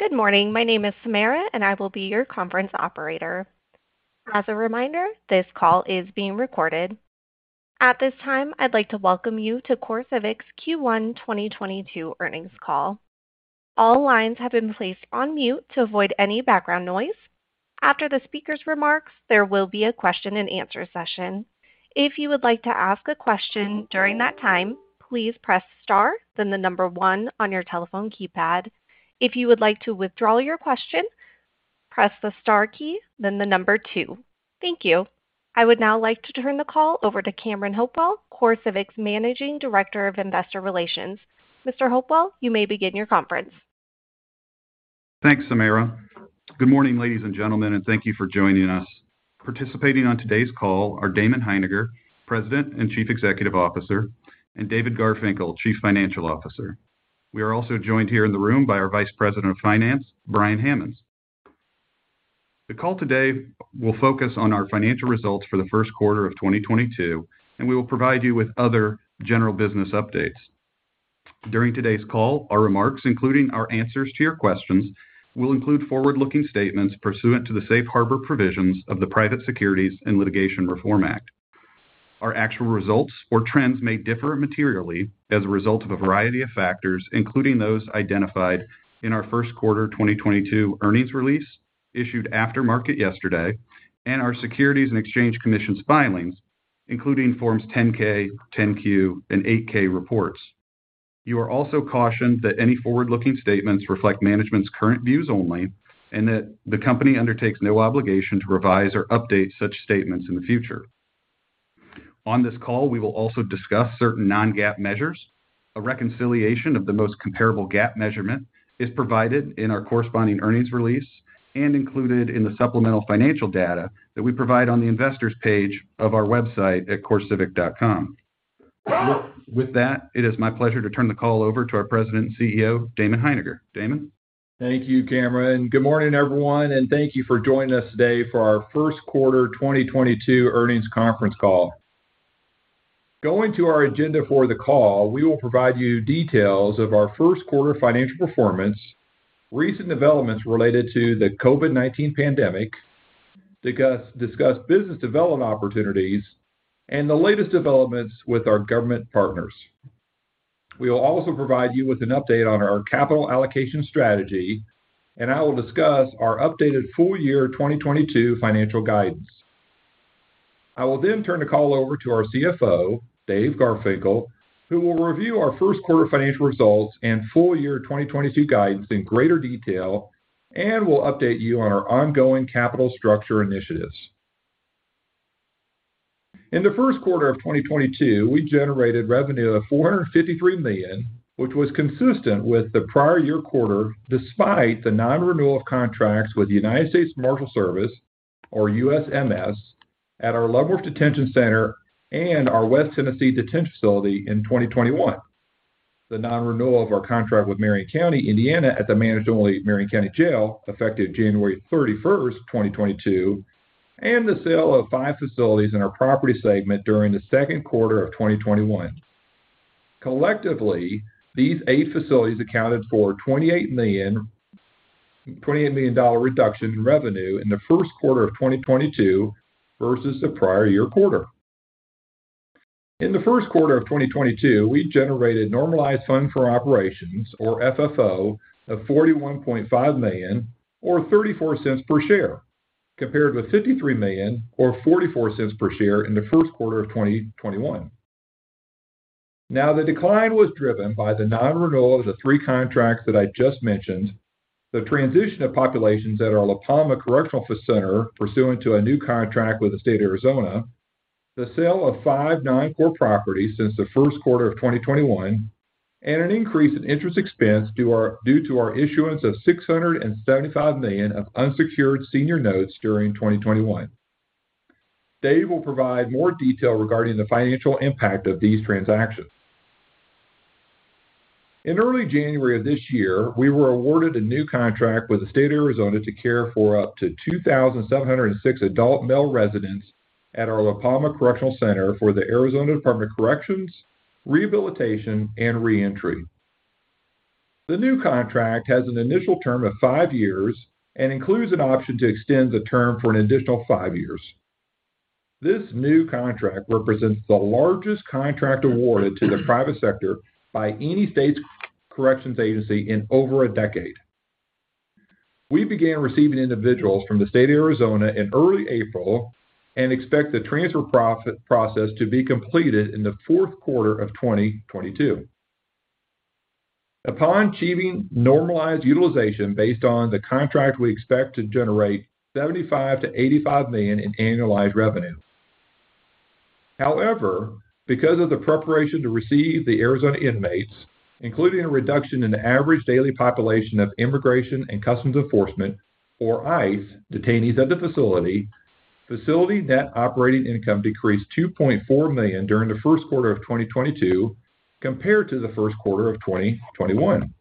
Good morning. My name is Samara, and I will be your conference operator. As a reminder, this call is being recorded. At this time, I'd like to welcome you to CoreCivic's Q1 2022 earnings call. All lines have been placed on mute to avoid any background noise. After the speaker's remarks, there will be a question-and-answer session. If you would like to ask a question during that time, please press star then the number one on your telephone keypad. If you would like to withdraw your question, press the star key then the number two. Thank you. I would now like to turn the call over to Cameron Hopewell, CoreCivic's Managing Director of Investor Relations. Mr. Hopewell, you may begin your conference. Thanks, Samara. Good morning, ladies and gentlemen, and thank you for joining us. Participating on today's call are Damon Hininger, President and Chief Executive Officer, and David Garfinkle, Chief Financial Officer. We are also joined here in the room by our Vice President of Finance, Brian Hammonds. The call today will focus on our financial results for the first quarter of 2022, and we will provide you with other general business updates. During today's call, our remarks, including our answers to your questions, will include forward-looking statements pursuant to the safe harbor provisions of the Private Securities Litigation Reform Act. Our actual results or trends may differ materially as a result of a variety of factors, including those identified in our first quarter 2022 earnings release issued after market yesterday and our Securities and Exchange Commission filings, including Forms 10-K, 10-Q, and 8-K reports. You are also cautioned that any forward-looking statements reflect management's current views only and that the company undertakes no obligation to revise or update such statements in the future. On this call, we will also discuss certain non-GAAP measures. A reconciliation of the most comparable GAAP measurement is provided in our corresponding earnings release and included in the supplemental financial data that we provide on the investors' page of our website at corecivic.com. With that, it is my pleasure to turn the call over to our President and CEO, Damon Hininger. Damon? Thank you, Cameron. Good morning, everyone, and thank you for joining us today for our first quarter 2022 earnings conference call. Going to our agenda for the call, we will provide you details of our first quarter financial performance, recent developments related to the COVID-19 pandemic, discuss business development opportunities and the latest developments with our government partners. We will also provide you with an update on our capital allocation strategy, and I will discuss our updated full year 2022 financial guidance. I will then turn the call over to our CFO, Dave Garfinkel, who will review our first quarter financial results and full year 2022 guidance in greater detail and will update you on our ongoing capital structure initiatives. In the first quarter of 2022, we generated revenue of $453 million, which was consistent with the prior year quarter despite the non-renewal of contracts with the United States Marshals Service or USMS at our Leavenworth Detention Center and our West Tennessee Detention Facility in 2021. The non-renewal of our contract with Marion County, Indiana at the managed-only Marion County Jail, effective January 31, 2022, and the sale of five facilities in our property segment during the second quarter of 2021. Collectively, these eight facilities accounted for $28 million reduction in revenue in the first quarter of 2022 versus the prior year quarter. In the first quarter of 2022, we generated normalized funds from operations or FFO of $41.5 million or $0.34 per share, compared with $53 million or $0.44 per share in the first quarter of 2021. The decline was driven by the non-renewal of the three contracts that I just mentioned, the transition of populations at our La Palma Correctional Center pursuant to a new contract with the state of Arizona, the sale of five non-core properties since the first quarter of 2021, and an increase in interest expense due to our issuance of $675 million of unsecured senior notes during 2021. Dave will provide more detail regarding the financial impact of these transactions. In early January of this year, we were awarded a new contract with the state of Arizona to care for up to 2,706 adult male residents at our La Palma Correctional Center for the Arizona Department of Corrections, Rehabilitation and Reentry. The new contract has an initial term of five years and includes an option to extend the term for an additional five years. This new contract represents the largest contract awarded to the private sector by any state's corrections agency in over a decade. We began receiving individuals from the state of Arizona in early April and expect the transfer process to be completed in the fourth quarter of 2022. Upon achieving normalized utilization based on the contract, we expect to generate $75 million-$85 million in annualized revenue. However, because of the preparation to receive the Arizona inmates, including a reduction in the average daily population of Immigration and Customs Enforcement, or ICE detainees at the facility net operating income decreased $2.4 million during the first quarter of 2022 compared to the first quarter of 2021.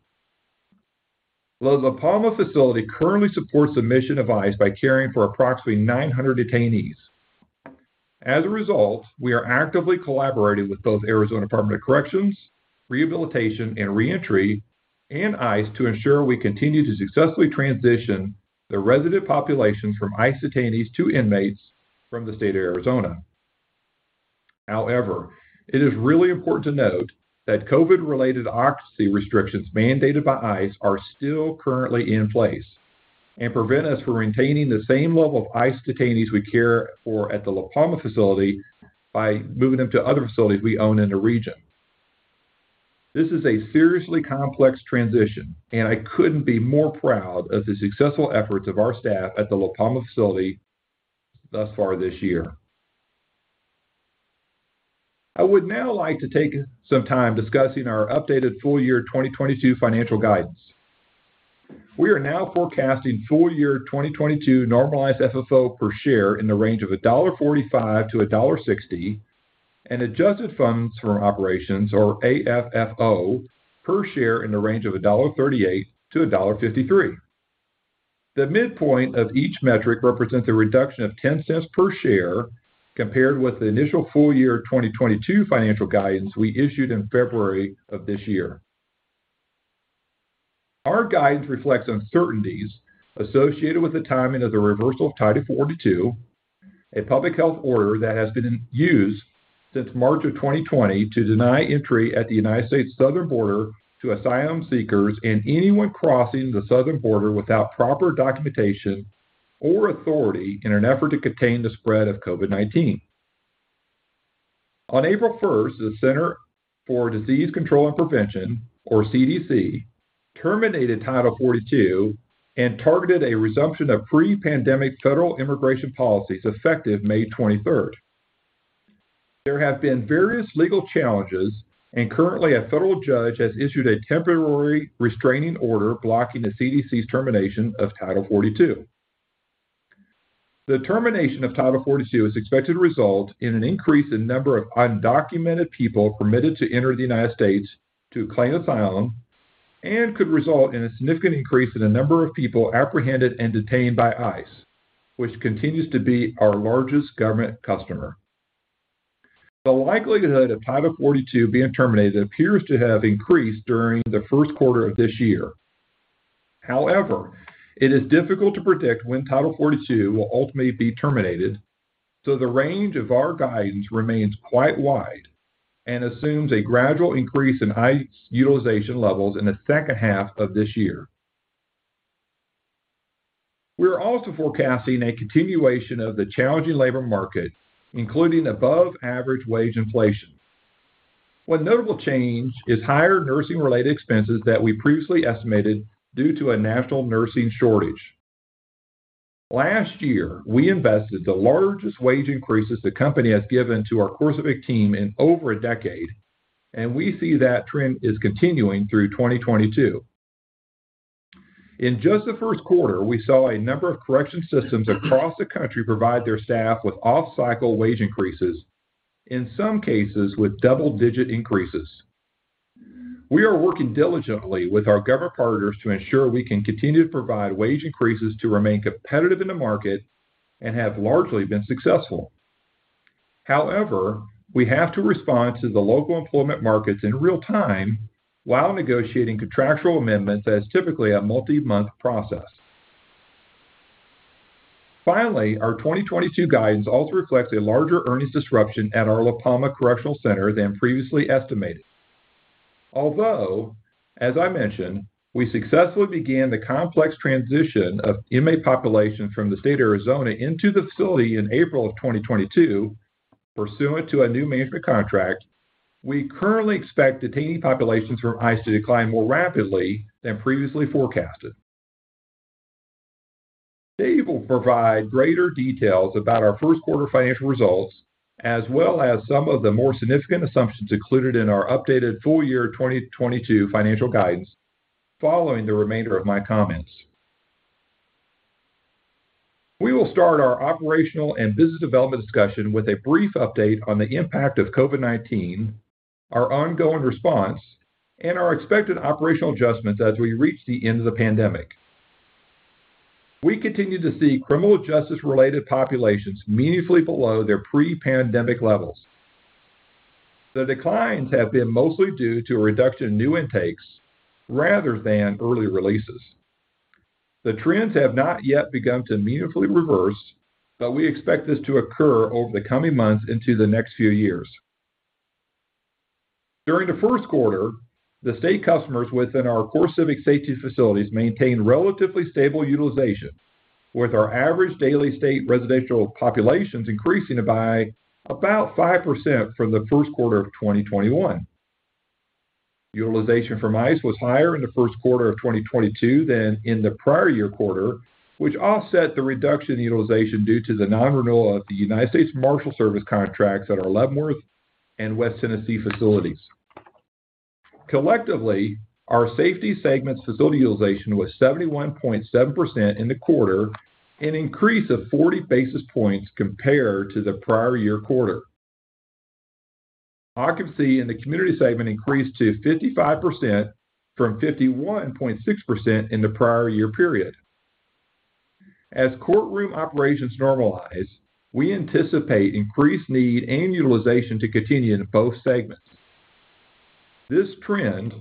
The La Palma facility currently supports the mission of ICE by caring for approximately 900 detainees. As a result, we are actively collaborating with both Arizona Department of Corrections, Rehabilitation and Reentry and ICE to ensure we continue to successfully transition the resident population from ICE detainees to inmates from the state of Arizona. However, it is really important to note that COVID-related occupancy restrictions mandated by ICE are still currently in place and prevent us from maintaining the same level of ICE detainees we care for at the La Palma facility by moving them to other facilities we own in the region. This is a seriously complex transition, and I couldn't be more proud of the successful efforts of our staff at the La Palma facility thus far this year. I would now like to take some time discussing our updated full year 2022 financial guidance. We are now forecasting full year 2022 normalized FFO per share in the range of $1.45-$1.60 and adjusted funds from operations or AFFO per share in the range of $1.38-$1.53. The midpoint of each metric represents a reduction of $0.10 per share compared with the initial full year 2022 financial guidance we issued in February of this year. Our guidance reflects uncertainties associated with the timing of the reversal of Title 42, a public health order that has been used since March of 2020 to deny entry at the United States southern border to asylum seekers and anyone crossing the southern border without proper documentation or authority in an effort to contain the spread of COVID-19. On April 1, the Centers for Disease Control and Prevention, or CDC, terminated Title 42 and targeted a resumption of pre-pandemic federal immigration policies effective May 23. There have been various legal challenges, and currently a federal judge has issued a temporary restraining order blocking the CDC's termination of Title 42. The termination of Title 42 is expected to result in an increase in number of undocumented people permitted to enter the United States to claim asylum and could result in a significant increase in the number of people apprehended and detained by ICE, which continues to be our largest government customer. The likelihood of Title 42 being terminated appears to have increased during the first quarter of this year. However, it is difficult to predict when Title 42 will ultimately be terminated, so the range of our guidance remains quite wide and assumes a gradual increase in ICE utilization levels in the second half of this year. We are also forecasting a continuation of the challenging labor market, including above-average wage inflation. One notable change is higher nursing-related expenses that we previously estimated due to a national nursing shortage. Last year, we invested the largest wage increases the company has given to our CoreCivic team in over a decade, and we see that trend is continuing through 2022. In just the first quarter, we saw a number of correctional systems across the country provide their staff with off-cycle wage increases, in some cases with double-digit increases. We are working diligently with our government partners to ensure we can continue to provide wage increases to remain competitive in the market and have largely been successful. However, we have to respond to the local employment markets in real time while negotiating contractual amendments as typically a multi-month process. Finally, our 2022 guidance also reflects a larger earnings disruption at our La Palma Correctional Center than previously estimated. Although, as I mentioned, we successfully began the complex transition of inmate populations from the state of Arizona into the facility in April 2022 pursuant to a new management contract, we currently expect detainee populations from ICE to decline more rapidly than previously forecasted. Dave will provide greater details about our first quarter financial results, as well as some of the more significant assumptions included in our updated full year 2022 financial guidance following the remainder of my comments. We will start our operational and business development discussion with a brief update on the impact of COVID-19, our ongoing response, and our expected operational adjustments as we reach the end of the pandemic. We continue to see criminal justice-related populations meaningfully below their pre-pandemic levels. The declines have been mostly due to a reduction in new intakes rather than early releases. The trends have not yet begun to meaningfully reverse, but we expect this to occur over the coming months into the next few years. During the first quarter, the state customers within our CoreCivic safety facilities maintained relatively stable utilization, with our average daily state residential populations increasing by about 5% from the first quarter of 2021. Utilization from ICE was higher in the first quarter of 2022 than in the prior year quarter, which offset the reduction in utilization due to the non-renewal of the United States Marshals Service contracts at our Leavenworth and West Tennessee facilities. Collectively, our safety segment facility utilization was 71.7% in the quarter, an increase of 40 basis points compared to the prior year quarter. Occupancy in the community segment increased to 55% from 51.6% in the prior year period. As courtroom operations normalize, we anticipate increased need and utilization to continue in both segments. This trend,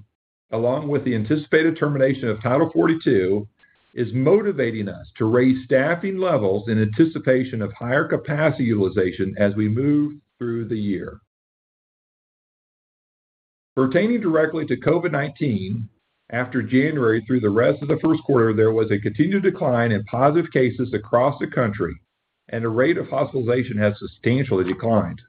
along with the anticipated termination of Title 42, is motivating us to raise staffing levels in anticipation of higher capacity utilization as we move through the year. Pertaining directly to COVID-19, after January through the rest of the first quarter, there was a continued decline in positive cases across the country, and the rate of hospitalization has substantially declined.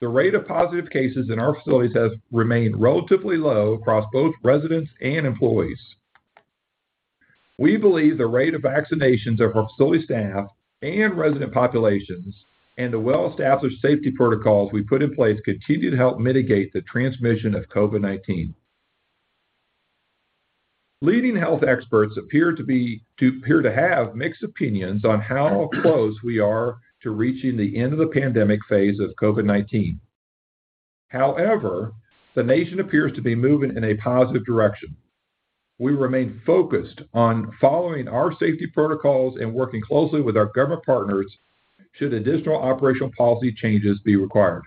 The rate of positive cases in our facilities has remained relatively low across both residents and employees. We believe the rate of vaccinations of our facility staff and resident populations and the well-established safety protocols we put in place continue to help mitigate the transmission of COVID-19. Leading health experts appear to have mixed opinions on how close we are to reaching the end of the pandemic phase of COVID-19. However, the nation appears to be moving in a positive direction. We remain focused on following our safety protocols and working closely with our government partners should additional operational policy changes be required.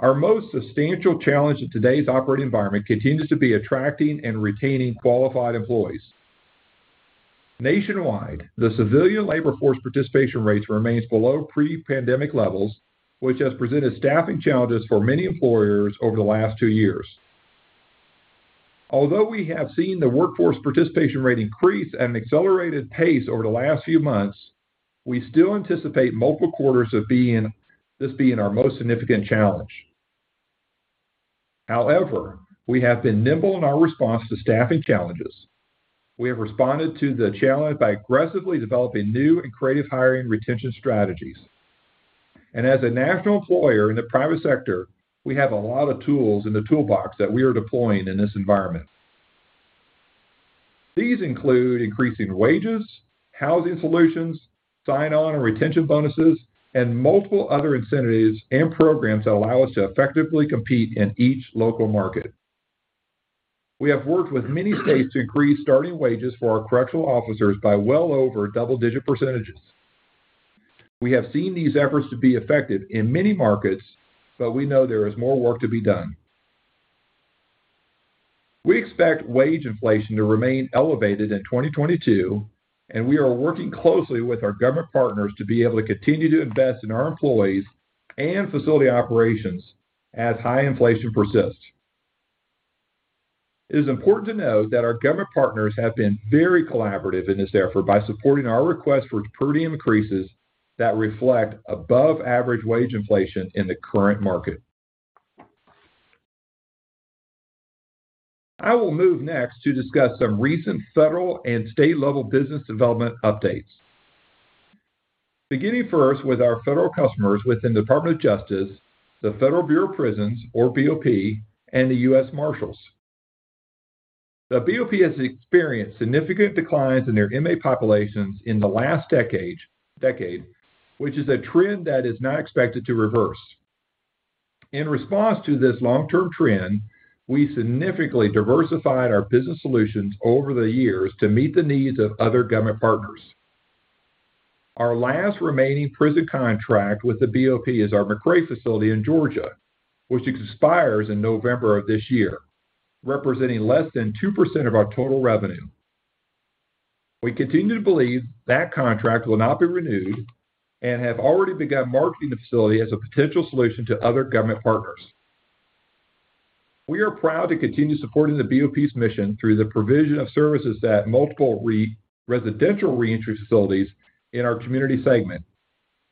Our most substantial challenge in today's operating environment continues to be attracting and retaining qualified employees. Nationwide, the civilian labor force participation rate remains below pre-pandemic levels, which has presented staffing challenges for many employers over the last two years. Although we have seen the workforce participation rate increase at an accelerated pace over the last few months, we still anticipate multiple quarters of this being our most significant challenge. However, we have been nimble in our response to staffing challenges. We have responded to the challenge by aggressively developing new and creative hiring retention strategies. As a national employer in the private sector, we have a lot of tools in the toolbox that we are deploying in this environment. These include increasing wages, housing solutions, sign-on and retention bonuses, and multiple other incentives and programs that allow us to effectively compete in each local market. We have worked with many states to increase starting wages for our correctional officers by well over double-digit percentages. We have seen these efforts to be effective in many markets, but we know there is more work to be done. We expect wage inflation to remain elevated in 2022, and we are working closely with our government partners to be able to continue to invest in our employees and facility operations as high inflation persists. It is important to note that our government partners have been very collaborative in this effort by supporting our request for per diem increases that reflect above-average wage inflation in the current market. I will move next to discuss some recent federal and state-level business development updates. Beginning first with our federal customers within the Department of Justice, the Federal Bureau of Prisons, or BOP, and the U.S. Marshals. The BOP has experienced significant declines in their inmate populations in the last decade, which is a trend that is not expected to reverse. In response to this long-term trend, we significantly diversified our business solutions over the years to meet the needs of other government partners. Our last remaining prison contract with the BOP is our McRae facility in Georgia, which expires in November of this year, representing less than 2% of our total revenue. We continue to believe that contract will not be renewed and have already begun marketing the facility as a potential solution to other government partners. We are proud to continue supporting the BOP's mission through the provision of services at multiple residential reentry facilities in our community segment,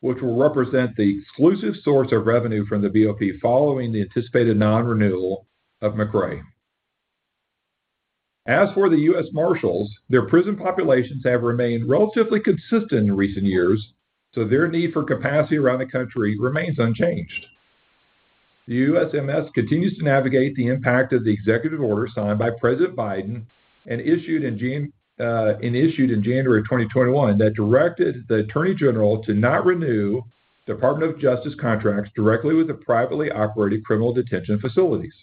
which will represent the exclusive source of revenue from the BOP following the anticipated non-renewal of McRae. As for the U.S. Marshals, their prison populations have remained relatively consistent in recent years, so their need for capacity around the country remains unchanged. The USMS continues to navigate the impact of the executive order signed by President Biden and issued in January 2021 that directed the Attorney General to not renew Department of Justice contracts directly with the privately operated criminal detention facilities.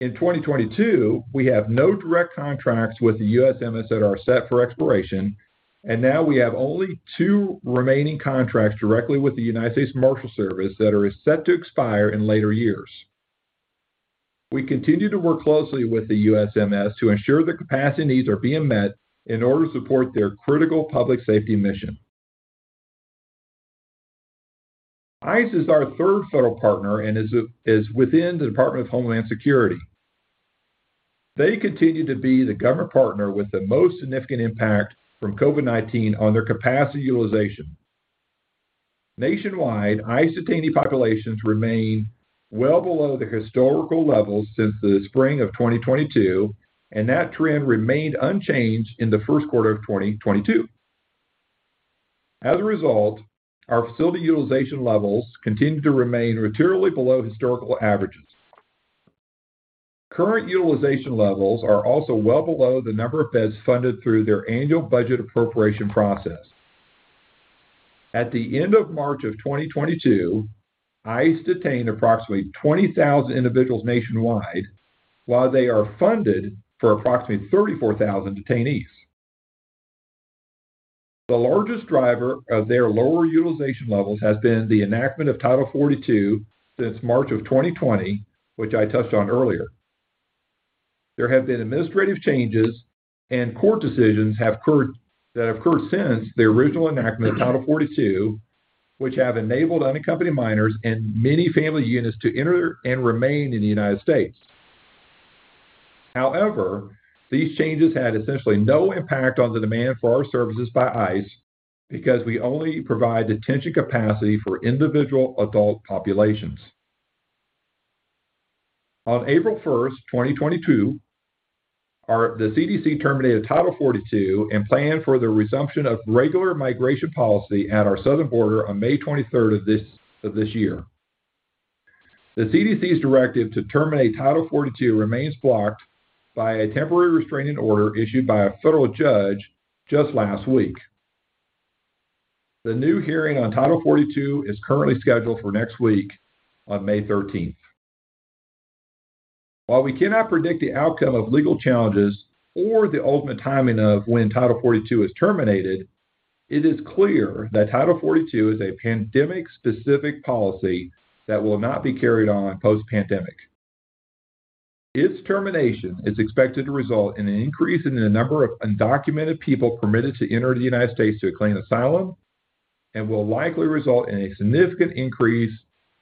In 2022, we have no direct contracts with the USMS that are set for expiration, and now we have only two remaining contracts directly with the United States Marshals Service that are set to expire in later years. We continue to work closely with the USMS to ensure the capacity needs are being met in order to support their critical public safety mission. ICE is our third federal partner and is within the Department of Homeland Security. They continue to be the government partner with the most significant impact from COVID-19 on their capacity utilization. Nationwide, ICE detainee populations remain well below their historical levels since the spring of 2022, and that trend remained unchanged in the first quarter of 2022. As a result, our facility utilization levels continue to remain materially below historical averages. Current utilization levels are also well below the number of beds funded through their annual budget appropriation process. At the end of March 2022, ICE detained approximately 20,000 individuals nationwide, while they are funded for approximately 34,000 detainees. The largest driver of their lower utilization levels has been the enactment of Title 42 since March 2020, which I touched on earlier. There have been administrative changes and court decisions that have occurred since the original enactment of Title 42, which have enabled unaccompanied minors and many family units to enter and remain in the United States. However, these changes had essentially no impact on the demand for our services by ICE because we only provide detention capacity for individual adult populations. On April 1, 2022, the CDC terminated Title 42 and planned for the resumption of regular migration policy at our southern border on May 23 of this year. The CDC's directive to terminate Title 42 remains blocked by a temporary restraining order issued by a federal judge just last week. The new hearing on Title 42 is currently scheduled for next week on May 13. While we cannot predict the outcome of legal challenges or the ultimate timing of when Title 42 is terminated, it is clear that Title 42 is a pandemic-specific policy that will not be carried on post-pandemic. Its termination is expected to result in an increase in the number of undocumented people permitted to enter the United States to claim asylum and will likely result in a significant increase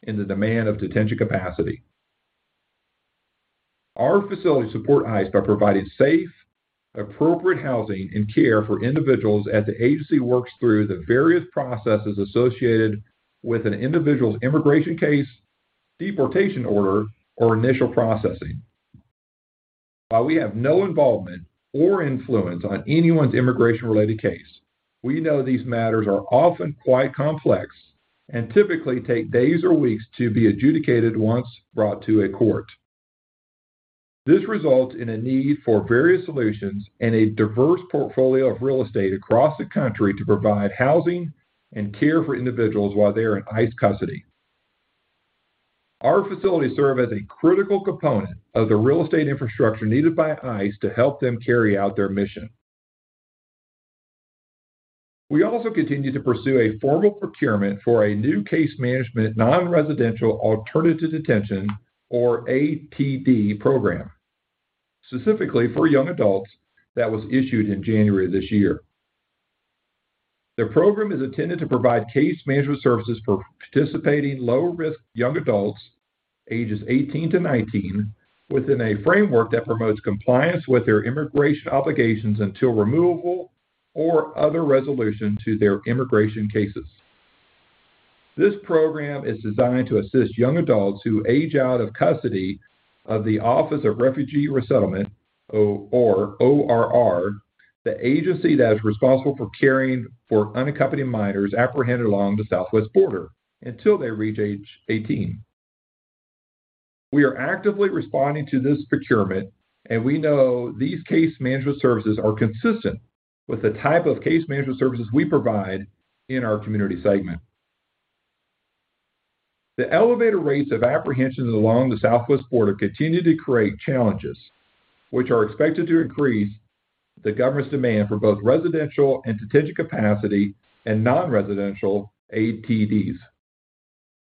in the demand of detention capacity. Our facilities support ICE by providing safe, appropriate housing and care for individuals as the agency works through the various processes associated with an individual's immigration case, deportation order, or initial processing. While we have no involvement or influence on anyone's immigration-related case, we know these matters are often quite complex and typically take days or weeks to be adjudicated once brought to a court. This results in a need for various solutions and a diverse portfolio of real estate across the country to provide housing and care for individuals while they are in ICE custody. Our facilities serve as a critical component of the real estate infrastructure needed by ICE to help them carry out their mission. We also continue to pursue a formal procurement for a new case management non-residential alternative detention, or ATD program, specifically for young adults that was issued in January of this year. The program is intended to provide case management services for participating low-risk young adults, ages 18-19, within a framework that promotes compliance with their immigration obligations until removal or other resolution to their immigration cases. This program is designed to assist young adults who age out of custody of the Office of Refugee Resettlement, ORR, the agency that is responsible for caring for unaccompanied minors apprehended along the southwest border until they reach age 18. We are actively responding to this procurement, and we know these case management services are consistent with the type of case management services we provide in our community segment. The elevated rates of apprehensions along the southwest border continue to create challenges which are expected to increase the government's demand for both residential and detention capacity and non-residential ATDs.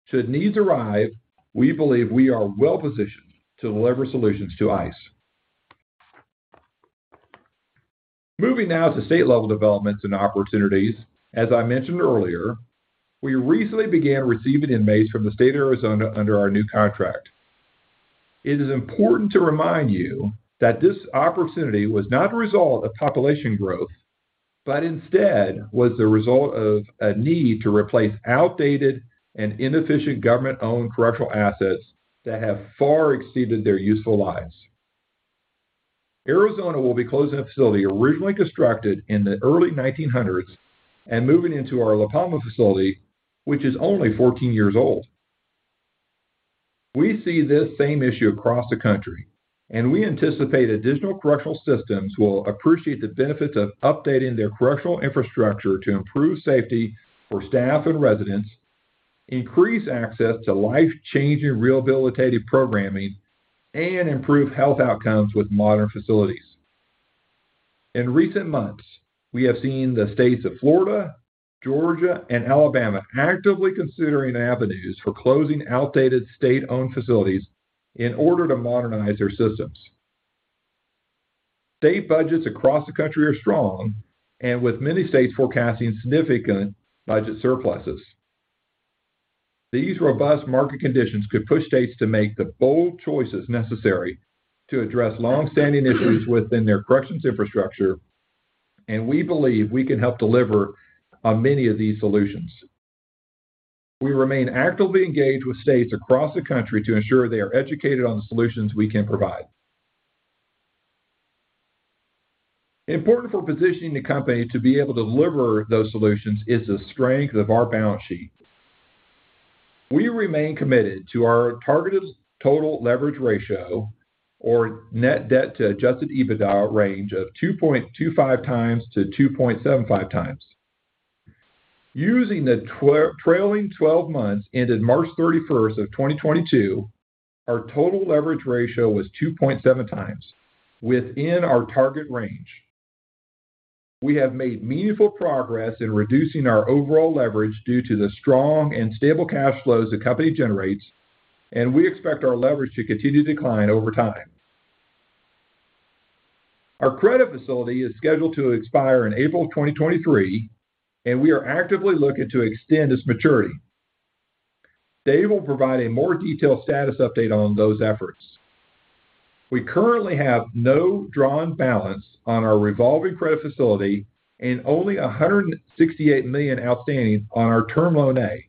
Should needs arise, we believe we are well-positioned to deliver solutions to ICE. Moving now to state-level developments and opportunities. As I mentioned earlier, we recently began receiving inmates from the state of Arizona under our new contract. It is important to remind you that this opportunity was not a result of population growth, but instead was the result of a need to replace outdated and inefficient government-owned correctional assets that have far exceeded their useful lives. Arizona will be closing a facility originally constructed in the early 1900s and moving into our La Palma facility, which is only 14 years old. We see this same issue across the country, and we anticipate additional correctional systems will appreciate the benefits of updating their correctional infrastructure to improve safety for staff and residents, increase access to life-changing rehabilitative programming, and improve health outcomes with modern facilities. In recent months, we have seen the states of Florida, Georgia, and Alabama actively considering avenues for closing outdated state-owned facilities in order to modernize their systems. State budgets across the country are strong and with many states forecasting significant budget surpluses. These robust market conditions could push states to make the bold choices necessary to address long-standing issues within their corrections infrastructure, and we believe we can help deliver on many of these solutions. We remain actively engaged with states across the country to ensure they are educated on the solutions we can provide. Important for positioning the company to be able to deliver those solutions is the strength of our balance sheet. We remain committed to our targeted total leverage ratio or net debt to adjusted EBITDA range of 2.25x-2.75x. Using the trailing 12 months ended March 31, 2022, our total leverage ratio was 2.7x within our target range. We have made meaningful progress in reducing our overall leverage due to the strong and stable cash flows the company generates, and we expect our leverage to continue to decline over time. Our credit facility is scheduled to expire in April 2023, and we are actively looking to extend its maturity. Dave will provide a more detailed status update on those efforts. We currently have no drawn balance on our revolving credit facility and only $168 million outstanding on our Term Loan A.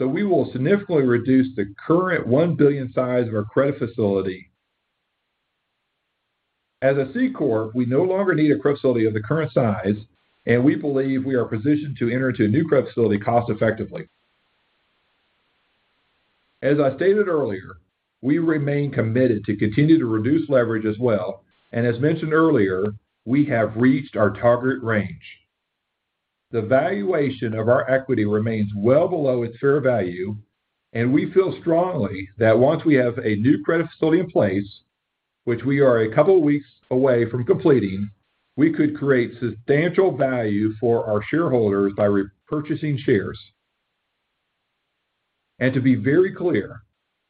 We will significantly reduce the current $1 billion size of our credit facility. As a C corp, we no longer need a credit facility of the current size, and we believe we are positioned to enter into a new credit facility cost effectively. As I stated earlier, we remain committed to continue to reduce leverage as well. As mentioned earlier, we have reached our target range. The valuation of our equity remains well below its fair value, and we feel strongly that once we have a new credit facility in place, which we are a couple of weeks away from completing, we could create substantial value for our shareholders by repurchasing shares. To be very clear,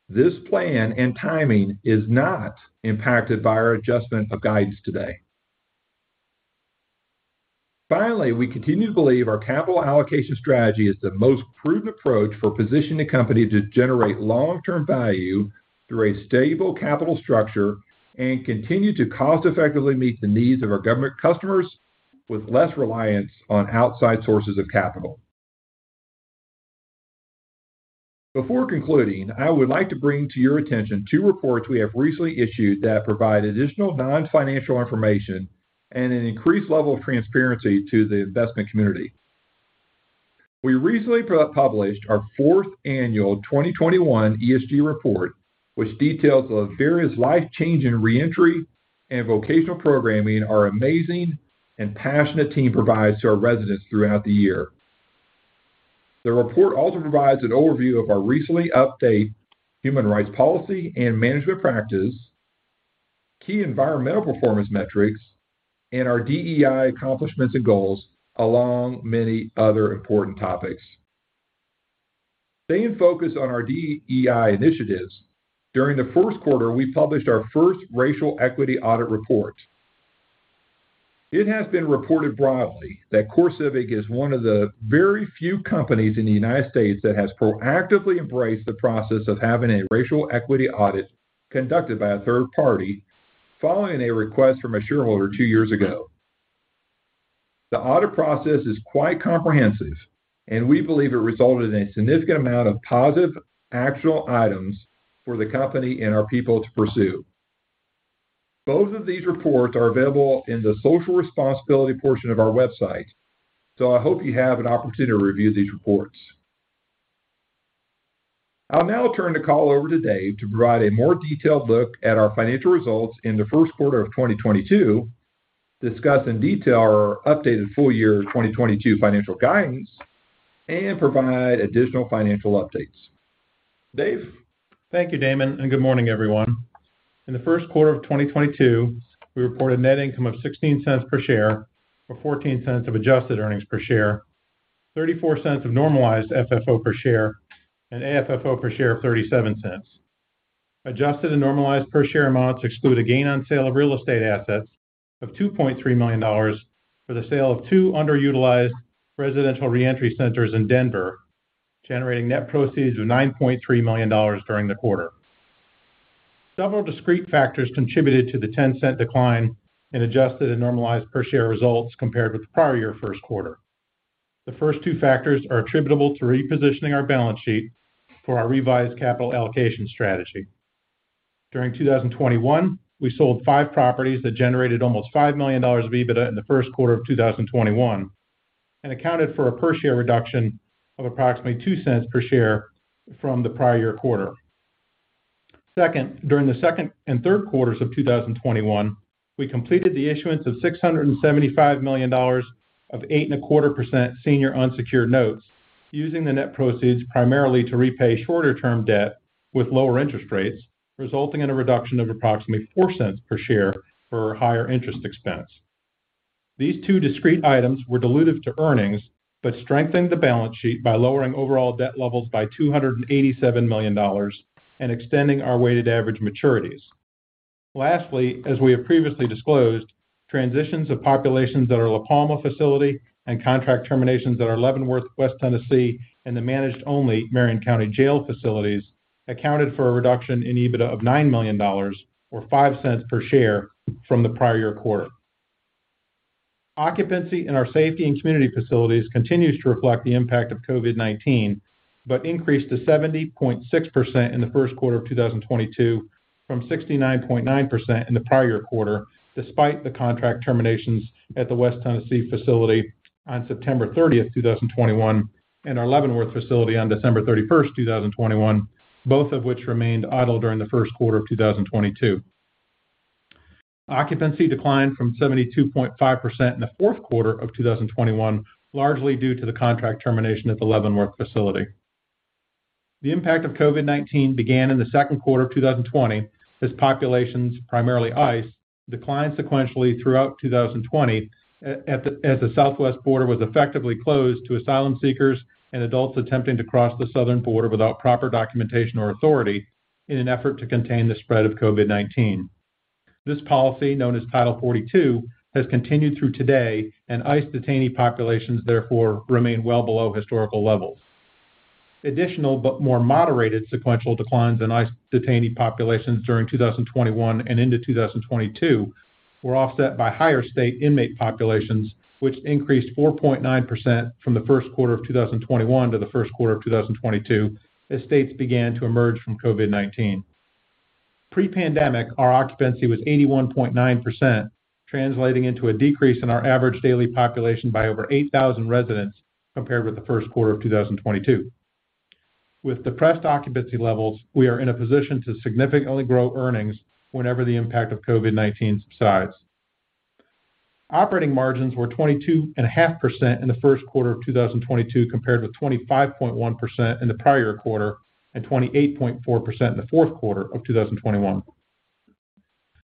this plan and timing is not impacted by our adjustment of guidance today. Finally, we continue to believe our capital allocation strategy is the most prudent approach for positioning the company to generate long-term value through a stable capital structure and continue to cost effectively meet the needs of our government customers with less reliance on outside sources of capital. Before concluding, I would like to bring to your attention two reports we have recently issued that provide additional non-financial information and an increased level of transparency to the investment community. We recently published our fourth annual 2021 ESG report, which details the various life-changing reentry and vocational programming our amazing and passionate team provides to our residents throughout the year. The report also provides an overview of our recently updated human rights policy and management practice, key environmental performance metrics, and our DEI accomplishments and goals, along with many other important topics. Staying focused on our DEI initiatives, during the first quarter, we published our first racial equity audit report. It has been reported broadly that CoreCivic is one of the very few companies in the United States that has proactively embraced the process of having a racial equity audit conducted by a third party following a request from a shareholder two years ago. The audit process is quite comprehensive, and we believe it resulted in a significant amount of positive actual items for the company and our people to pursue. Both of these reports are available in the social responsibility portion of our website. I hope you have an opportunity to review these reports. I'll now turn the call over to Dave to provide a more detailed look at our financial results in the first quarter of 2022, discuss in detail our updated full year 2022 financial guidance, and provide additional financial updates. Dave? Thank you, Damon, and good morning, everyone. In the first quarter of 2022, we reported net income of $0.16 per share or $0.14 of adjusted earnings per share, $0.34 of normalized FFO per share, and AFFO per share of $0.37. Adjusted and normalized per share amounts exclude a gain on sale of real estate assets of $2.3 million for the sale of two underutilized residential reentry centers in Denver, generating net proceeds of $9.3 million during the quarter. Several discrete factors contributed to the $0.10 decline in adjusted and normalized per share results compared with the prior year first quarter. The first two factors are attributable to repositioning our balance sheet for our revised capital allocation strategy. During 2021, we sold five properties that generated almost $5 million of EBITDA in the first quarter of 2021 and accounted for a per share reduction of approximately $0.02 per share from the prior year quarter. Second, during the second and third quarters of 2021, we completed the issuance of $675 million of 8.25% senior unsecured notes using the net proceeds primarily to repay shorter term debt with lower interest rates, resulting in a reduction of approximately $0.04 per share for higher interest expense. These two discrete items were dilutive to earnings, but strengthened the balance sheet by lowering overall debt levels by $287 million and extending our weighted average maturities. Lastly, as we have previously disclosed, transitions of populations at our La Palma facility and contract terminations at our Leavenworth, West Tennessee, and the management-only Marion County Jail facilities accounted for a reduction in EBITDA of $9 million or $0.05 per share from the prior year quarter. Occupancy in our secure and community facilities continues to reflect the impact of COVID-19, but increased to 70.6% in the first quarter of 2022 from 69.9% in the prior quarter, despite the contract terminations at the West Tennessee facility on September 30, 2021, and our Leavenworth facility on December 31, 2021, both of which remained idle during the first quarter of 2022. Occupancy declined from 72.5% in the fourth quarter of 2021, largely due to the contract termination at the Leavenworth facility. The impact of COVID-19 began in the second quarter of 2020 as populations, primarily ICE, declined sequentially throughout 2020 as the Southwest border was effectively closed to asylum seekers and adults attempting to cross the southern border without proper documentation or authority in an effort to contain the spread of COVID-19. This policy, known as Title 42, has continued through today, and ICE detainee populations therefore remain well below historical levels. Additional but more moderated sequential declines in ICE detainee populations during 2021 and into 2022 were offset by higher state inmate populations, which increased 4.9% from the first quarter of 2021 to the first quarter of 2022 as states began to emerge from COVID-19. Pre-pandemic, our occupancy was 81.9%, translating into a decrease in our average daily population by over 8,000 residents compared with the first quarter of 2022. With depressed occupancy levels, we are in a position to significantly grow earnings whenever the impact of COVID-19 subsides. Operating margins were 22.5% in the first quarter of 2022 compared with 25.1% in the prior quarter and 28.4% in the fourth quarter of 2021.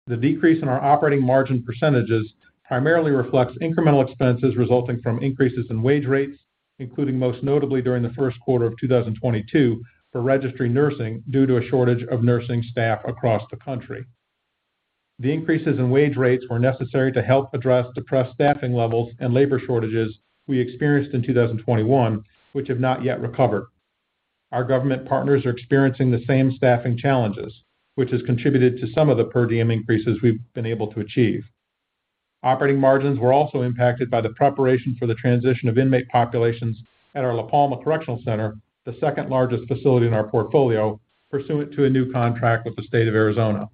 The decrease in our operating margin percentages primarily reflects incremental expenses resulting from increases in wage rates, including most notably during the first quarter of 2022 for registry nursing due to a shortage of nursing staff across the country. The increases in wage rates were necessary to help address depressed staffing levels and labor shortages we experienced in 2021, which have not yet recovered. Our government partners are experiencing the same staffing challenges, which has contributed to some of the per diem increases we've been able to achieve. Operating margins were also impacted by the preparation for the transition of inmate populations at our La Palma Correctional Center, the second largest facility in our portfolio, pursuant to a new contract with the state of Arizona.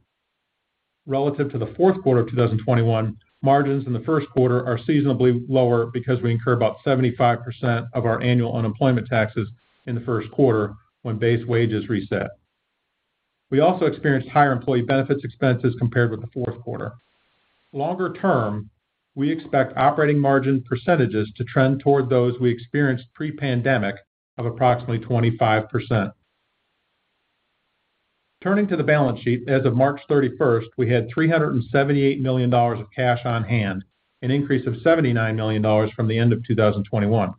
Relative to the fourth quarter of 2021, margins in the first quarter are seasonally lower because we incur about 75% of our annual unemployment taxes in the first quarter when base wages reset. We also experienced higher employee benefits expenses compared with the fourth quarter. Longer term, we expect operating margin percentages to trend toward those we experienced pre-pandemic of approximately 25%. Turning to the balance sheet, as of March 31st, we had $378 million of cash on hand, an increase of $79 million from the end of 2021.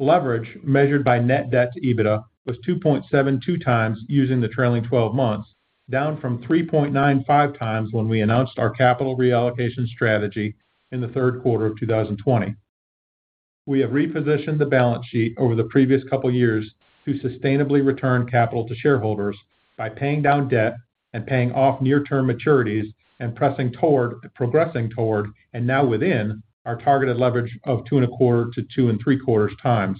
Leverage measured by net debt to EBITDA was 2.72x using the trailing 12 months, down from 3.95x when we announced our capital reallocation strategy in the third quarter of 2020. We have repositioned the balance sheet over the previous couple years to sustainably return capital to shareholders by paying down debt and paying off near-term maturities and progressing toward, and now within our targeted leverage of 2.25x-2.75x,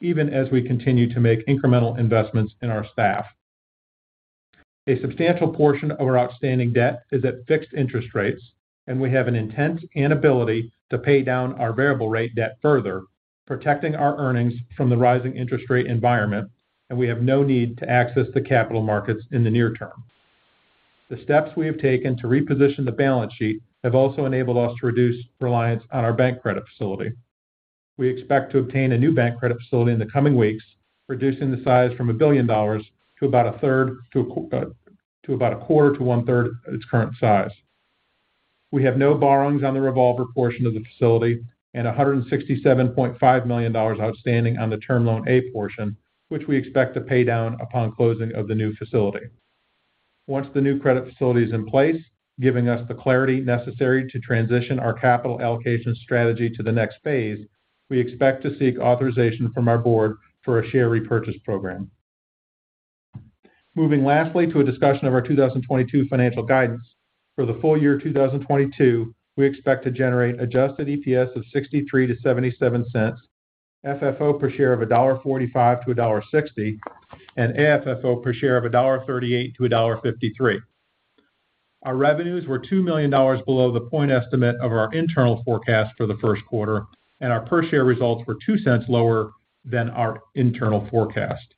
even as we continue to make incremental investments in our staff. A substantial portion of our outstanding debt is at fixed interest rates, and we have an intent and ability to pay down our variable rate debt further, protecting our earnings from the rising interest rate environment, and we have no need to access the capital markets in the near term. The steps we have taken to reposition the balance sheet have also enabled us to reduce reliance on our bank credit facility. We expect to obtain a new bank credit facility in the coming weeks, reducing the size from $1 billion to about a quarter to one-third its current size. We have no borrowings on the revolver portion of the facility and $167.5 million outstanding on the Term Loan A portion, which we expect to pay down upon closing of the new facility. Once the new credit facility is in place, giving us the clarity necessary to transition our capital allocation strategy to the next phase, we expect to seek authorization from our board for a share repurchase program. Moving lastly to a discussion of our 2022 financial guidance. For the full year 2022, we expect to generate adjusted EPS of $0.63-$0.77, FFO per share of $1.45-$1.60, and AFFO per share of $1.38-$1.53. Our revenues were $2 million below the point estimate of our internal forecast for the first quarter, and our per share results were $0.02 lower than our internal forecast.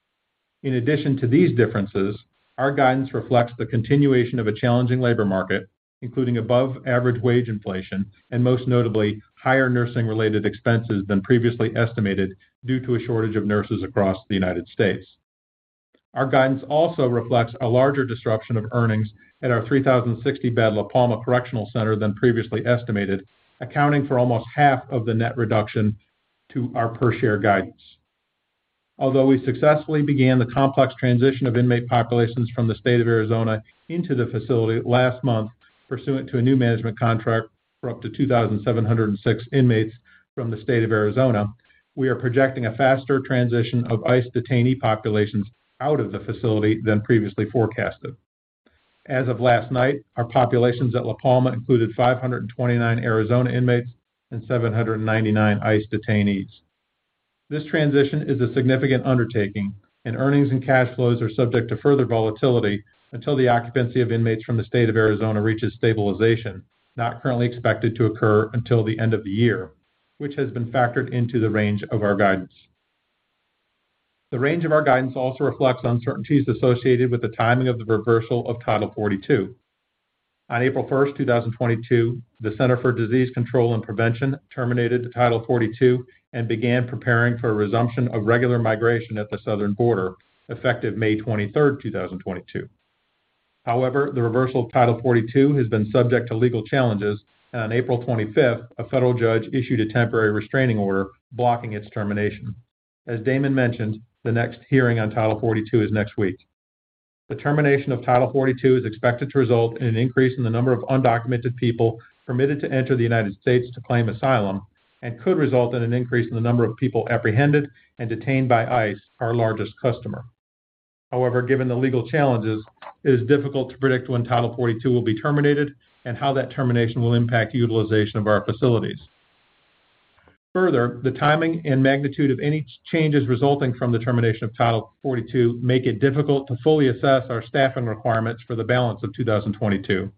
In addition to these differences, our guidance reflects the continuation of a challenging labor market, including above average wage inflation and most notably higher nursing related expenses than previously estimated due to a shortage of nurses across the United States. Our guidance also reflects a larger disruption of earnings at our 3,060-bed La Palma Correctional Center than previously estimated, accounting for almost half of the net reduction to our per share guidance. Although we successfully began the complex transition of inmate populations from the state of Arizona into the facility last month, pursuant to a new management contract for up to 2,706 inmates from the state of Arizona, we are projecting a faster transition of ICE detainee populations out of the facility than previously forecasted. As of last night, our populations at La Palma included 529 Arizona inmates and 799 ICE detainees. This transition is a significant undertaking, and earnings and cash flows are subject to further volatility until the occupancy of inmates from the state of Arizona reaches stabilization, not currently expected to occur until the end of the year, which has been factored into the range of our guidance. The range of our guidance also reflects uncertainties associated with the timing of the reversal of Title 42. On April 1, 2022, the Centers for Disease Control and Prevention terminated the Title 42 and began preparing for a resumption of regular migration at the southern border, effective May 23, 2022. However, the reversal of Title 42 has been subject to legal challenges, and on April 25th, a federal judge issued a temporary restraining order blocking its termination. As Damon mentioned, the next hearing on Title 42 is next week. The termination of Title 42 is expected to result in an increase in the number of undocumented people permitted to enter the United States to claim asylum and could result in an increase in the number of people apprehended and detained by ICE, our largest customer. However, given the legal challenges, it is difficult to predict when Title 42 will be terminated and how that termination will impact utilization of our facilities. Further, the timing and magnitude of any changes resulting from the termination of Title 42 make it difficult to fully assess our staffing requirements for the balance of 2022.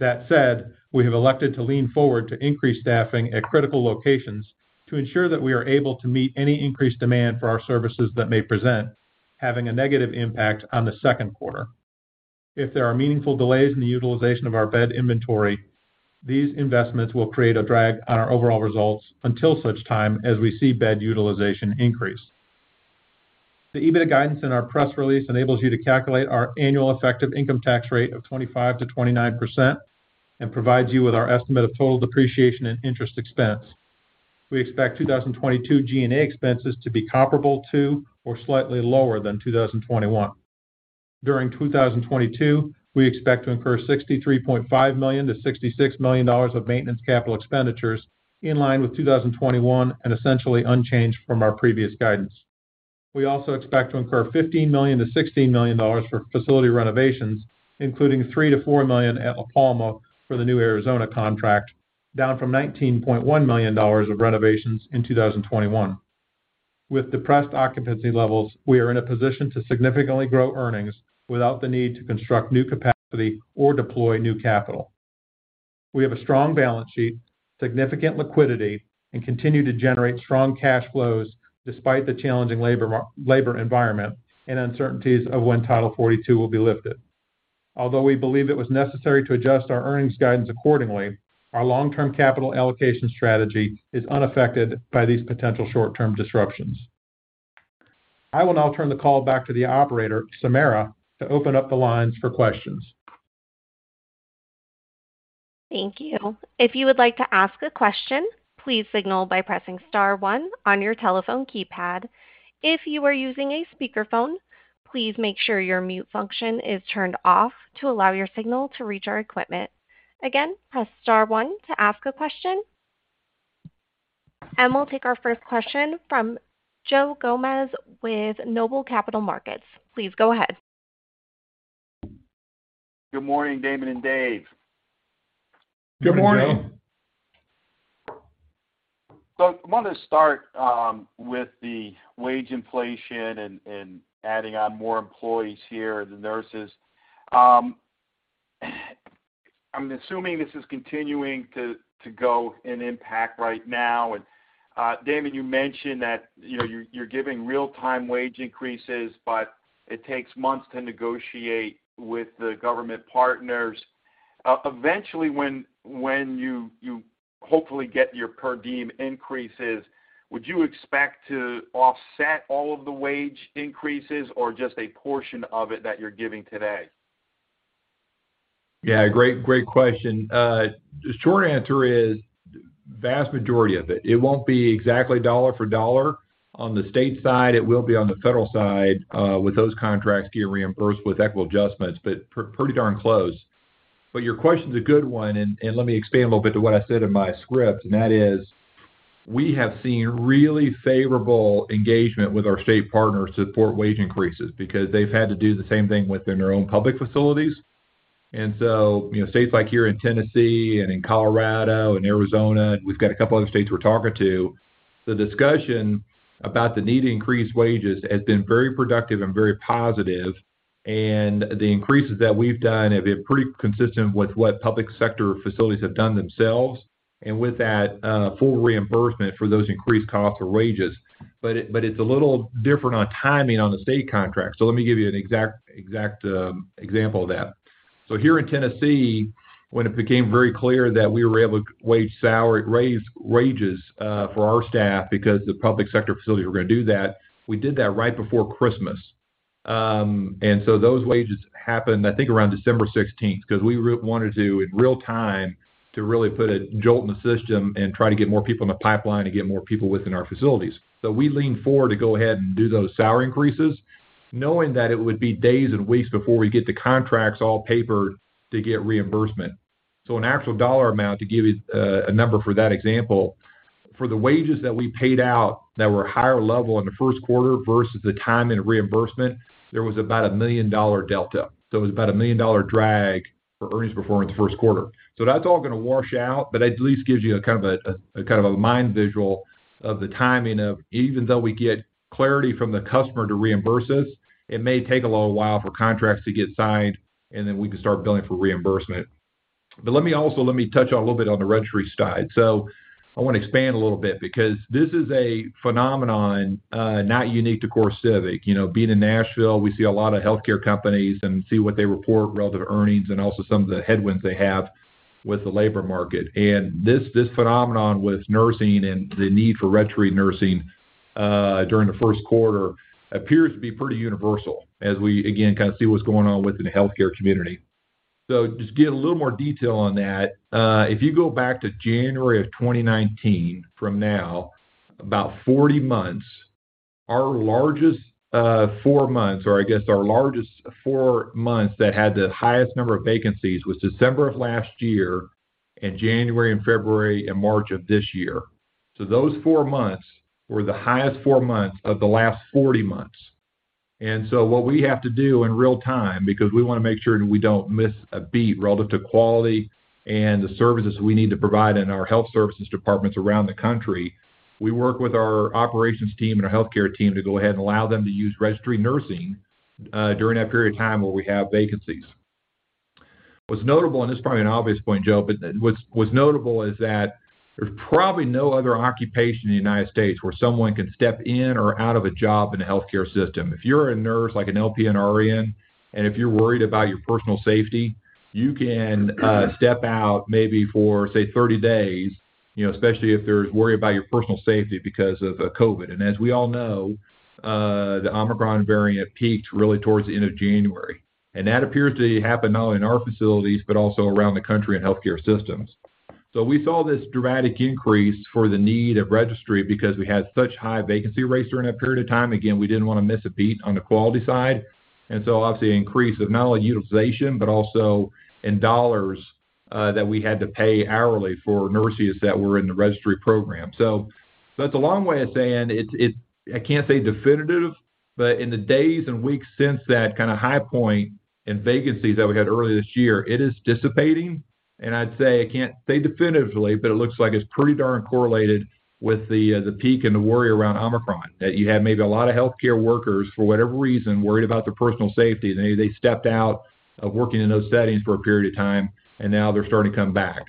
That said, we have elected to lean forward to increase staffing at critical locations to ensure that we are able to meet any increased demand for our services that may present, having a negative impact on the second quarter. If there are meaningful delays in the utilization of our bed inventory, these investments will create a drag on our overall results until such time as we see bed utilization increase. The EBIT guidance in our press release enables you to calculate our annual effective income tax rate of 25%-29% and provides you with our estimate of total depreciation and interest expense. We expect 2022 G&A expenses to be comparable to or slightly lower than 2021. During 2022, we expect to incur $63.5 million-$66 million of maintenance capital expenditures in line with 2021 and essentially unchanged from our previous guidance. We also expect to incur $15 million-$16 million for facility renovations, including $3 million-$4 million at La Palma for the new Arizona contract, down from $19.1 million of renovations in 2021. With depressed occupancy levels, we are in a position to significantly grow earnings without the need to construct new capacity or deploy new capital. We have a strong balance sheet, significant liquidity, and continue to generate strong cash flows despite the challenging labor environment and uncertainties of when Title 42 will be lifted. Although we believe it was necessary to adjust our earnings guidance accordingly, our long-term capital allocation strategy is unaffected by these potential short-term disruptions. I will now turn the call back to the operator, Samara, to open up the lines for questions. Thank you. If you would like to ask a question, please signal by pressing star one on your telephone keypad. If you are using a speakerphone, please make sure your mute function is turned off to allow your signal to reach our equipment. Again, press star one to ask a question. We'll take our first question from Joe Gomes with Noble Capital Markets. Please go ahead. Good morning, Damon and Dave. Good morning. Good morning, Joe. I wanted to start with the wage inflation and adding on more employees here, the nurses. I'm assuming this is continuing to go and impact right now. Damon, you mentioned that, you know, you're giving real-time wage increases, but it takes months to negotiate with the government partners. Eventually, when you hopefully get your per diem increases, would you expect to offset all of the wage increases or just a portion of it that you're giving today? Yeah, great question. The short answer is vast majority of it. It won't be exactly dollar for dollar on the state side. It will be on the federal side with those contracts get reimbursed with equitable adjustments, but pretty darn close. Your question's a good one, and let me expand a little bit to what I said in my script. That is, we have seen really favorable engagement with our state partners to support wage increases because they've had to do the same thing within their own public facilities. You know, states like here in Tennessee and in Colorado and Arizona, and we've got a couple of other states we're talking to, the discussion about the need to increase wages has been very productive and very positive. The increases that we've done have been pretty consistent with what public sector facilities have done themselves and with that, full reimbursement for those increased costs or wages. It's a little different on timing on the state contract. Let me give you an exact example of that. Here in Tennessee, when it became very clear that we were able to raise wages for our staff because the public sector facilities were gonna do that, we did that right before Christmas. Those wages happened, I think, around December sixteenth, because we wanted to, in real time, to really put a jolt in the system and try to get more people in the pipeline to get more people within our facilities. We leaned forward to go ahead and do those salary increases, knowing that it would be days and weeks before we get the contracts all papered to get reimbursement. An actual dollar amount to give you a number for that example, for the wages that we paid out that were higher level in the first quarter versus the timing and reimbursement, there was about a $1 million delta. It was about a $1 million drag for earnings before in the first quarter. That's all gonna wash out, but at least gives you a kind of a mental visual of the timing even though we get clarity from the customer to reimburse us. It may take a little while for contracts to get signed, and then we can start billing for reimbursement. Let me touch a little bit on the registry side. I want to expand a little bit because this is a phenomenon not unique to CoreCivic. You know, being in Nashville, we see a lot of healthcare companies and see what they report relative to earnings and also some of the headwinds they have with the labor market. This phenomenon with nursing and the need for registry nursing during the first quarter appears to be pretty universal as we, again, kind of see what's going on within the healthcare community. Just give a little more detail on that. If you go back to January 2019 from now, about 40 months, our largest four months, or I guess our largest four months that had the highest number of vacancies was December of last year and January and February and March of this year. Those four months were the highest four months of the last 40 months. What we have to do in real time, because we want to make sure that we don't miss a beat relative to quality and the services we need to provide in our health services departments around the country, we work with our operations team and our healthcare team to go ahead and allow them to use registry nursing during that period of time where we have vacancies. What's notable, and this is probably an obvious point, Joe, but what's notable is that there's probably no other occupation in the United States where someone can step in or out of a job in a healthcare system. If you're a nurse like an LPN or RN, and if you're worried about your personal safety, you can step out maybe for, say, 30 days, you know, especially if there's worry about your personal safety because of COVID. As we all know, the Omicron variant peaked really towards the end of January. That appears to happen not only in our facilities, but also around the country in healthcare systems. We saw this dramatic increase in the need of registry because we had such high vacancy rates during that period of time. Again, we didn't want to miss a beat on the quality side, and so obviously an increase of not only utilization, but also in dollars that we had to pay hourly for nurses that were in the registry program. So that's a long way of saying it's. I can't say definitively, but in the days and weeks since that kind of high point in vacancies that we had earlier this year, it is dissipating. I'd say I can't say definitively, but it looks like it's pretty darn correlated with the peak and the worry around Omicron. That you had maybe a lot of healthcare workers, for whatever reason, worried about their personal safety. They stepped out of working in those settings for a period of time, and now they're starting to come back.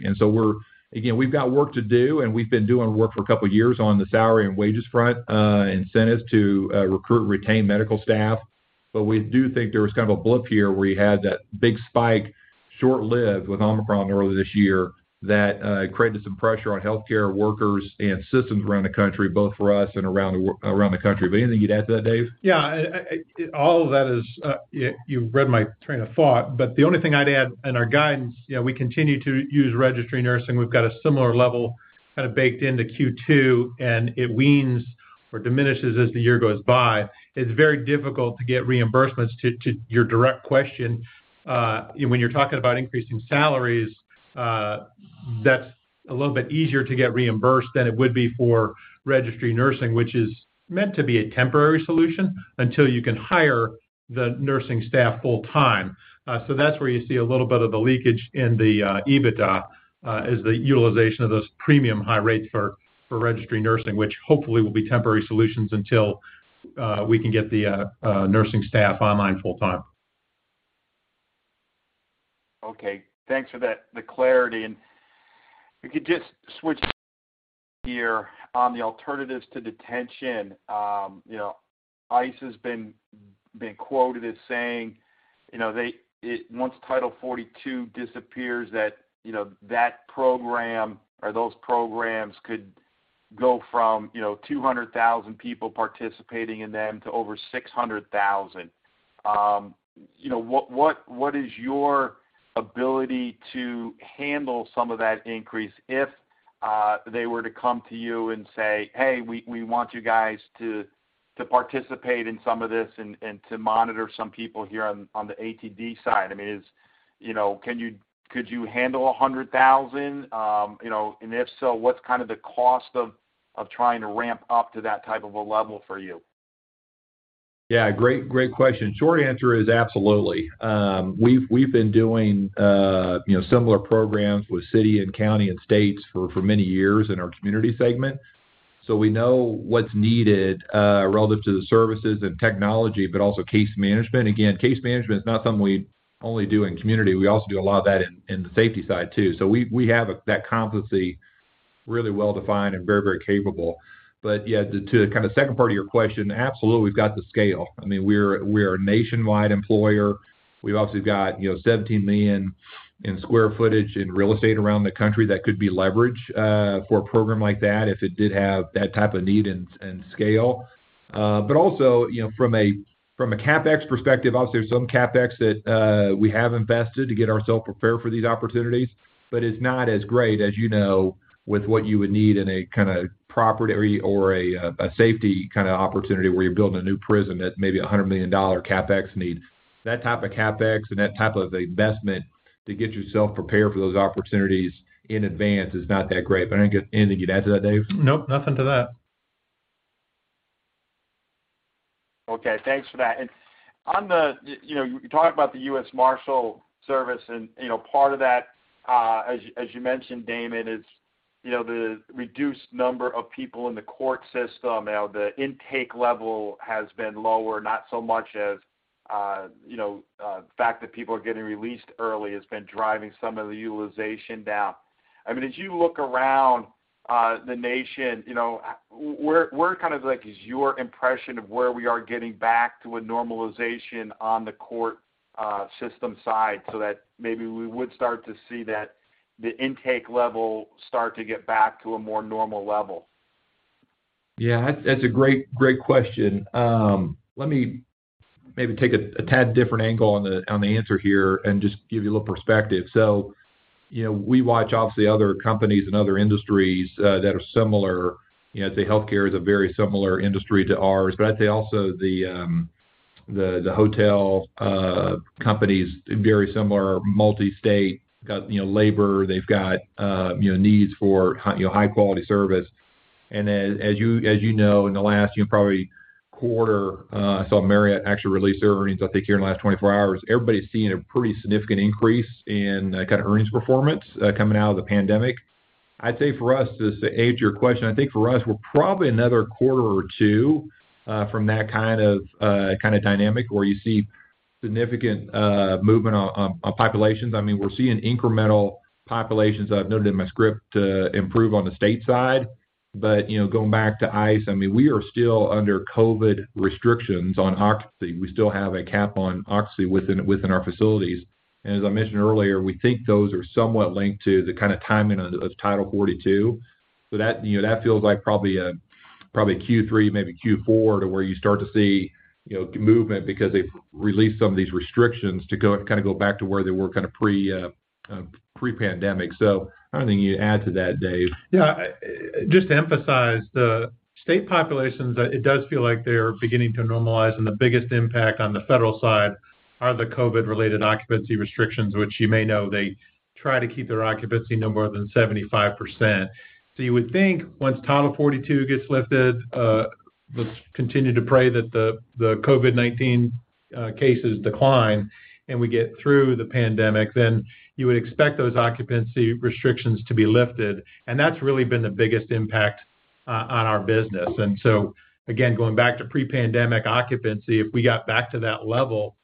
Again, we've got work to do, and we've been doing work for a couple of years on the salary and wages front, incentives to recruit and retain medical staff. But we do think there was kind of a blip here where you had that big spike, short-lived, with Omicron earlier this year that created some pressure on healthcare workers and systems around the country, both for us and around the country. But anything you'd add to that, Dave? Yeah. All of that is, you've read my train of thought, but the only thing I'd add in our guidance, you know, we continue to use registry nursing. We've got a similar level kind of baked into Q2, and it wanes or diminishes as the year goes by. It's very difficult to get reimbursements to your direct question. When you're talking about increasing salaries, that's a little bit easier to get reimbursed than it would be for registry nursing, which is meant to be a temporary solution until you can hire the nursing staff full-time. So that's where you see a little bit of the leakage in the EBITDA is the utilization of those premium high rates for registry nursing, which hopefully will be temporary solutions until we can get the nursing staff online full-time. Okay. Thanks for that, the clarity. If you could just switch here on the alternatives to detention. You know, ICE has been quoted as saying, you know, they once Title 42 disappears that program or those programs could go from, you know, 200,000 people participating in them to over 600,000. You know, what is your ability to handle some of that increase if they were to come to you and say, "Hey, we want you guys to participate in some of this and to monitor some people here on the ATD side." I mean, you know, could you handle 100,000? You know, and if so, what's kind of the cost of trying to ramp up to that type of a level for you? Yeah. Great question. Short answer is absolutely. We've been doing, you know, similar programs with city and county and states for many years in our community segment. We know what's needed relative to the services and technology, but also case management. Again, case management is not something we only do in community. We also do a lot of that in the safety side too. We have that competency really well-defined and very capable. Yeah, to kind of second part of your question, absolutely, we've got the scale. I mean, we're a nationwide employer. We've obviously got, you know, 17 million sq ft in real estate around the country that could be leveraged for a program like that if it did have that type of need and scale. Also, you know, from a CapEx perspective, obviously, there's some CapEx that we have invested to get ourselves prepared for these opportunities. It's not as great as you know with what you would need in a kinda property or a safety kinda opportunity where you're building a new prison that may be a $100 million CapEx need. That type of CapEx and that type of investment to get yourself prepared for those opportunities in advance is not that great. Anything you'd add to that, Dave? Nope, nothing to that. Okay, thanks for that. You know, you talked about the United States Marshals Service and, you know, part of that, as you mentioned, Damon, is, you know, the reduced number of people in the court system. You know, the intake level has been lower, not so much as the fact that people are getting released early has been driving some of the utilization down. I mean, as you look around the nation, you know, where kind of like is your impression of where we are getting back to a normalization on the court system side, so that maybe we would start to see that, the intake level start to get back to a more normal level? Yeah. That's a great question. Let me maybe take a tad different angle on the answer here and just give you a little perspective. You know, we watch obviously other companies and other industries that are similar. You know, I'd say healthcare is a very similar industry to ours, but I'd say also the hotel companies, very similar multi-state, got you know labor, they've got you know needs for high quality service. As you know, in the last you know probably quarter, I saw Marriott actually release their earnings, I think, here in the last 24 hours. Everybody's seeing a pretty significant increase in kind of earnings performance coming out of the pandemic. I'd say for us, just to answer your question, I think for us, we're probably another quarter or two from that kind of dynamic where you see significant movement on populations. I mean, we're seeing incremental populations I've noted in my script improve on the state side. You know, going back to ICE, I mean, we are still under COVID restrictions on occupancy. We still have a cap on occupancy within our facilities. As I mentioned earlier, we think those are somewhat linked to the kind of timing of Title 42. That feels like probably Q3, maybe Q4 to where you start to see movement because they've released some of these restrictions to kind of go back to where they were kind of pre-pandemic. Anything to add to that, Dave. Yeah. Just to emphasize, the state populations, it does feel like they're beginning to normalize, and the biggest impact on the federal side are the COVID-related occupancy restrictions, which you may know, they try to keep their occupancy no more than 75%. You would think once Title 42 gets lifted, let's continue to pray that the COVID-19 cases decline and we get through the pandemic, then you would expect those occupancy restrictions to be lifted. That's really been the biggest impact on our business. Again, going back to pre-pandemic occupancy, if we got back to that level,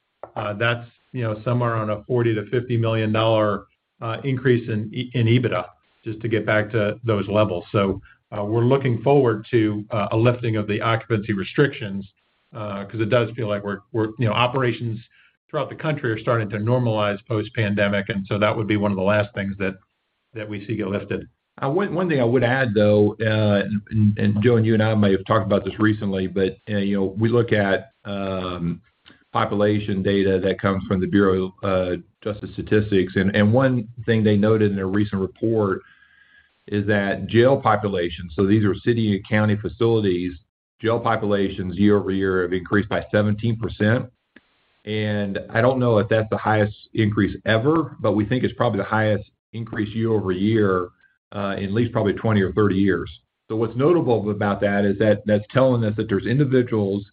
that's, you know, somewhere around a $40 million-$50 million increase in EBITDA, just to get back to those levels. We're looking forward to a lifting of the occupancy restrictions, 'cause it does feel like we're. You know, operations throughout the country are starting to normalize post-pandemic, and that would be one of the last things that we see get lifted. One thing I would add, though, and Joe, you and I may have talked about this recently, but you know, we look at population data that comes from the Bureau of Justice Statistics. One thing they noted in a recent report is that jail populations, so these are city and county facilities, year over year have increased by 17%. I don't know if that's the highest increase ever, but we think it's probably the highest increase year over year in at least probably 20 or 30 years. What's notable about that is that that's telling us that there's individuals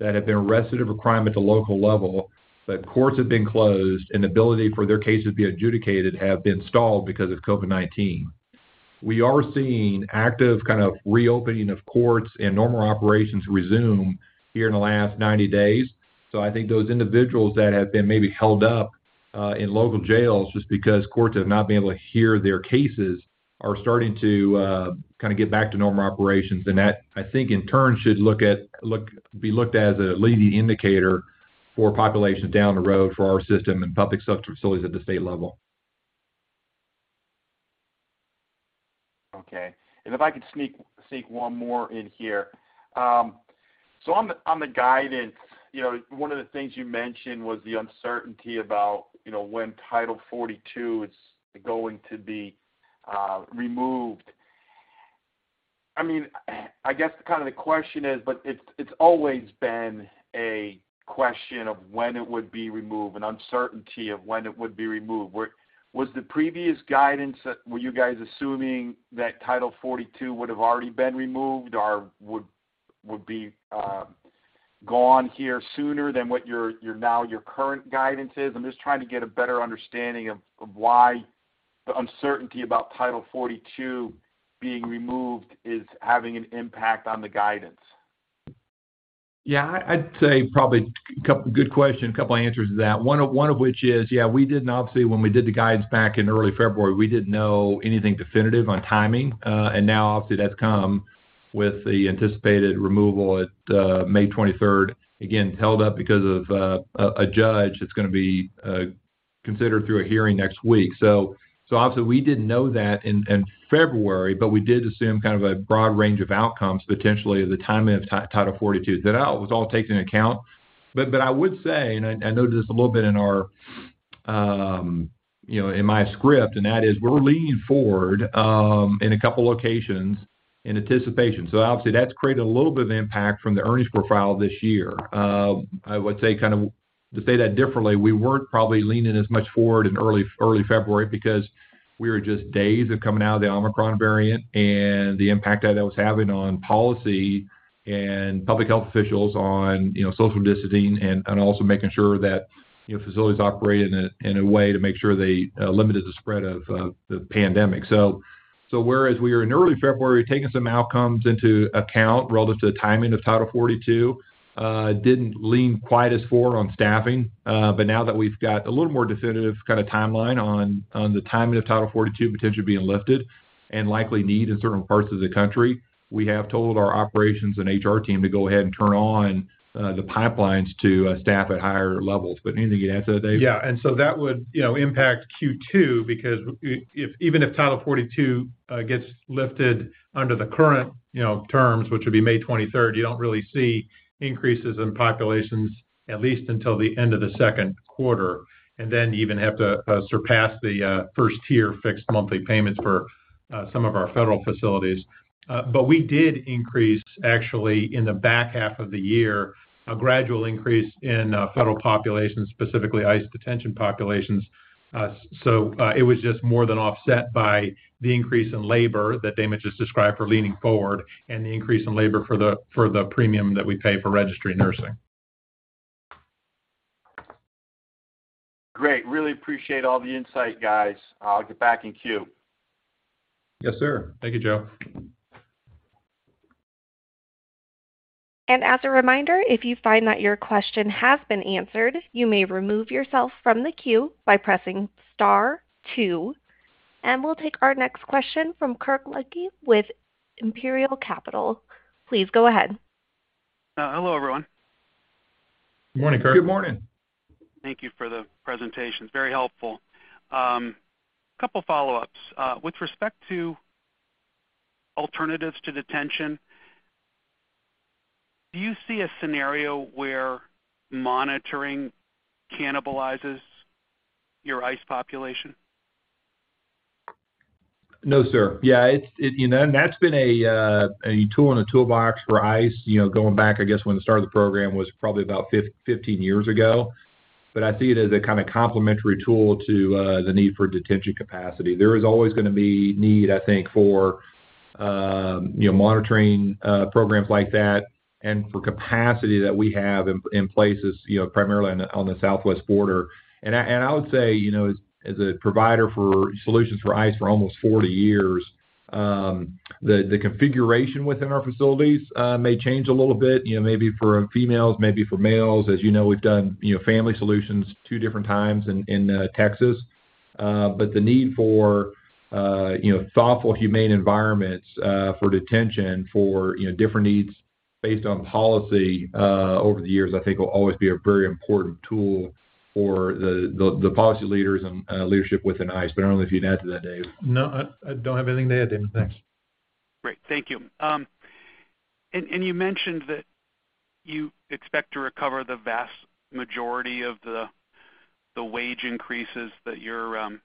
that have been arrested for crime at the local level, but courts have been closed, and ability for their case to be adjudicated have been stalled because of COVID-19. We are seeing active kind of reopening of courts and normal operations resume here in the last 90 days. I think those individuals that have been maybe held up in local jails just because courts have not been able to hear their cases are starting to kind of get back to normal operations. That, I think, in turn should be looked as a leading indicator for populations down the road for our system and public sub-facilities at the state level. Okay. If I could sneak one more in here. So on the guidance, you know, one of the things you mentioned was the uncertainty about, you know, when Title 42 is going to be removed. I mean, I guess kind of the question is, but it's always been a question of when it would be removed, an uncertainty of when it would be removed. Was the previous guidance, were you guys assuming that Title 42 would have already been removed or would be gone here sooner than what your now-your current guidance is? I'm just trying to get a better understanding of why the uncertainty about Title 42 being removed is having an impact on the guidance. Yeah. Good question. A couple of answers to that. One of which is, yeah, we didn't obviously, when we did the guidance back in early February, we didn't know anything definitive on timing. Now obviously that's come with the anticipated removal at May 23rd. Again, held up because of a judge that's gonna be considered through a hearing next week. Obviously we didn't know that in February, but we did assume kind of a broad range of outcomes potentially at the timing of Title 42. That was all taken into account. I would say, and I noted this a little bit in our, you know, in my script, and that is we're leaning forward in a couple locations in anticipation. Obviously that's created a little bit of impact from the earnings profile this year. To say that differently, we weren't probably leaning as much forward in early February because we were just days of coming out of the Omicron variant and the impact that that was having on policy and public health officials on, you know, social distancing and also making sure that, you know, facilities operate in a way to make sure they limited the spread of the pandemic. Whereas we are in early February taking some outcomes into account relative to the timing of Title 42, didn't lean quite as forward on staffing. now that we've got a little more definitive kind of timeline on the timing of Title 42 potentially being lifted and likely need in certain parts of the country, we have told our operations and HR team to go ahead and turn on the pipelines to staff at higher levels. Anything you'd add to that, Dave? Yeah. That would, you know, impact Q2 because even if Title 42 gets lifted under the current, you know, terms, which will be May 23rd, you don't really see increases in populations at least until the end of the second quarter. Even have to surpass the first tier fixed monthly payments for some of our federal facilities. We did increase actually in the back half of the year, a gradual increase in federal populations, specifically ICE detention populations. It was just more than offset by the increase in labor that Damon just described for leaning forward and the increase in labor for the premium that we pay for registry nursing. Great. Really appreciate all the insight, guys. I'll get back in queue. Yes, sir. Thank you, Joe. As a reminder, if you find that your question has been answered, you may remove yourself from the queue by pressing star two. We'll take our next question from Kirk Ludtke with Imperial Capital. Please go ahead. Hello, everyone. Good morning, Kirk. Good morning. Thank you for the presentation. It's very helpful. Couple follow-ups. With respect to alternatives to detention, do you see a scenario where monitoring cannibalizes your ICE population? No, sir. Yeah, it's you know, that's been a tool in the toolbox for ICE, you know, going back, I guess, when the start of the program was probably about 15 years ago. I see it as a kind of complementary tool to the need for detention capacity. There is always gonna be need, I think, for you know, monitoring programs like that and for capacity that we have in places, you know, primarily on the southwest border. I would say, you know, as a provider for solutions for ICE for almost 40 years, the configuration within our facilities may change a little bit, you know, maybe for females, maybe for males. As you know, we've done you know, family solutions two different times in Texas. The need for, you know, thoughtful, humane environments, for detention for, you know, different needs based on policy, over the years, I think will always be a very important tool for the policy leaders and leadership within ICE. I don't know if you'd add to that, Dave. No, I don't have anything to add, Damon. Thanks. Great. Thank you. You mentioned that you expect to recover the vast majority of the wage increases that you're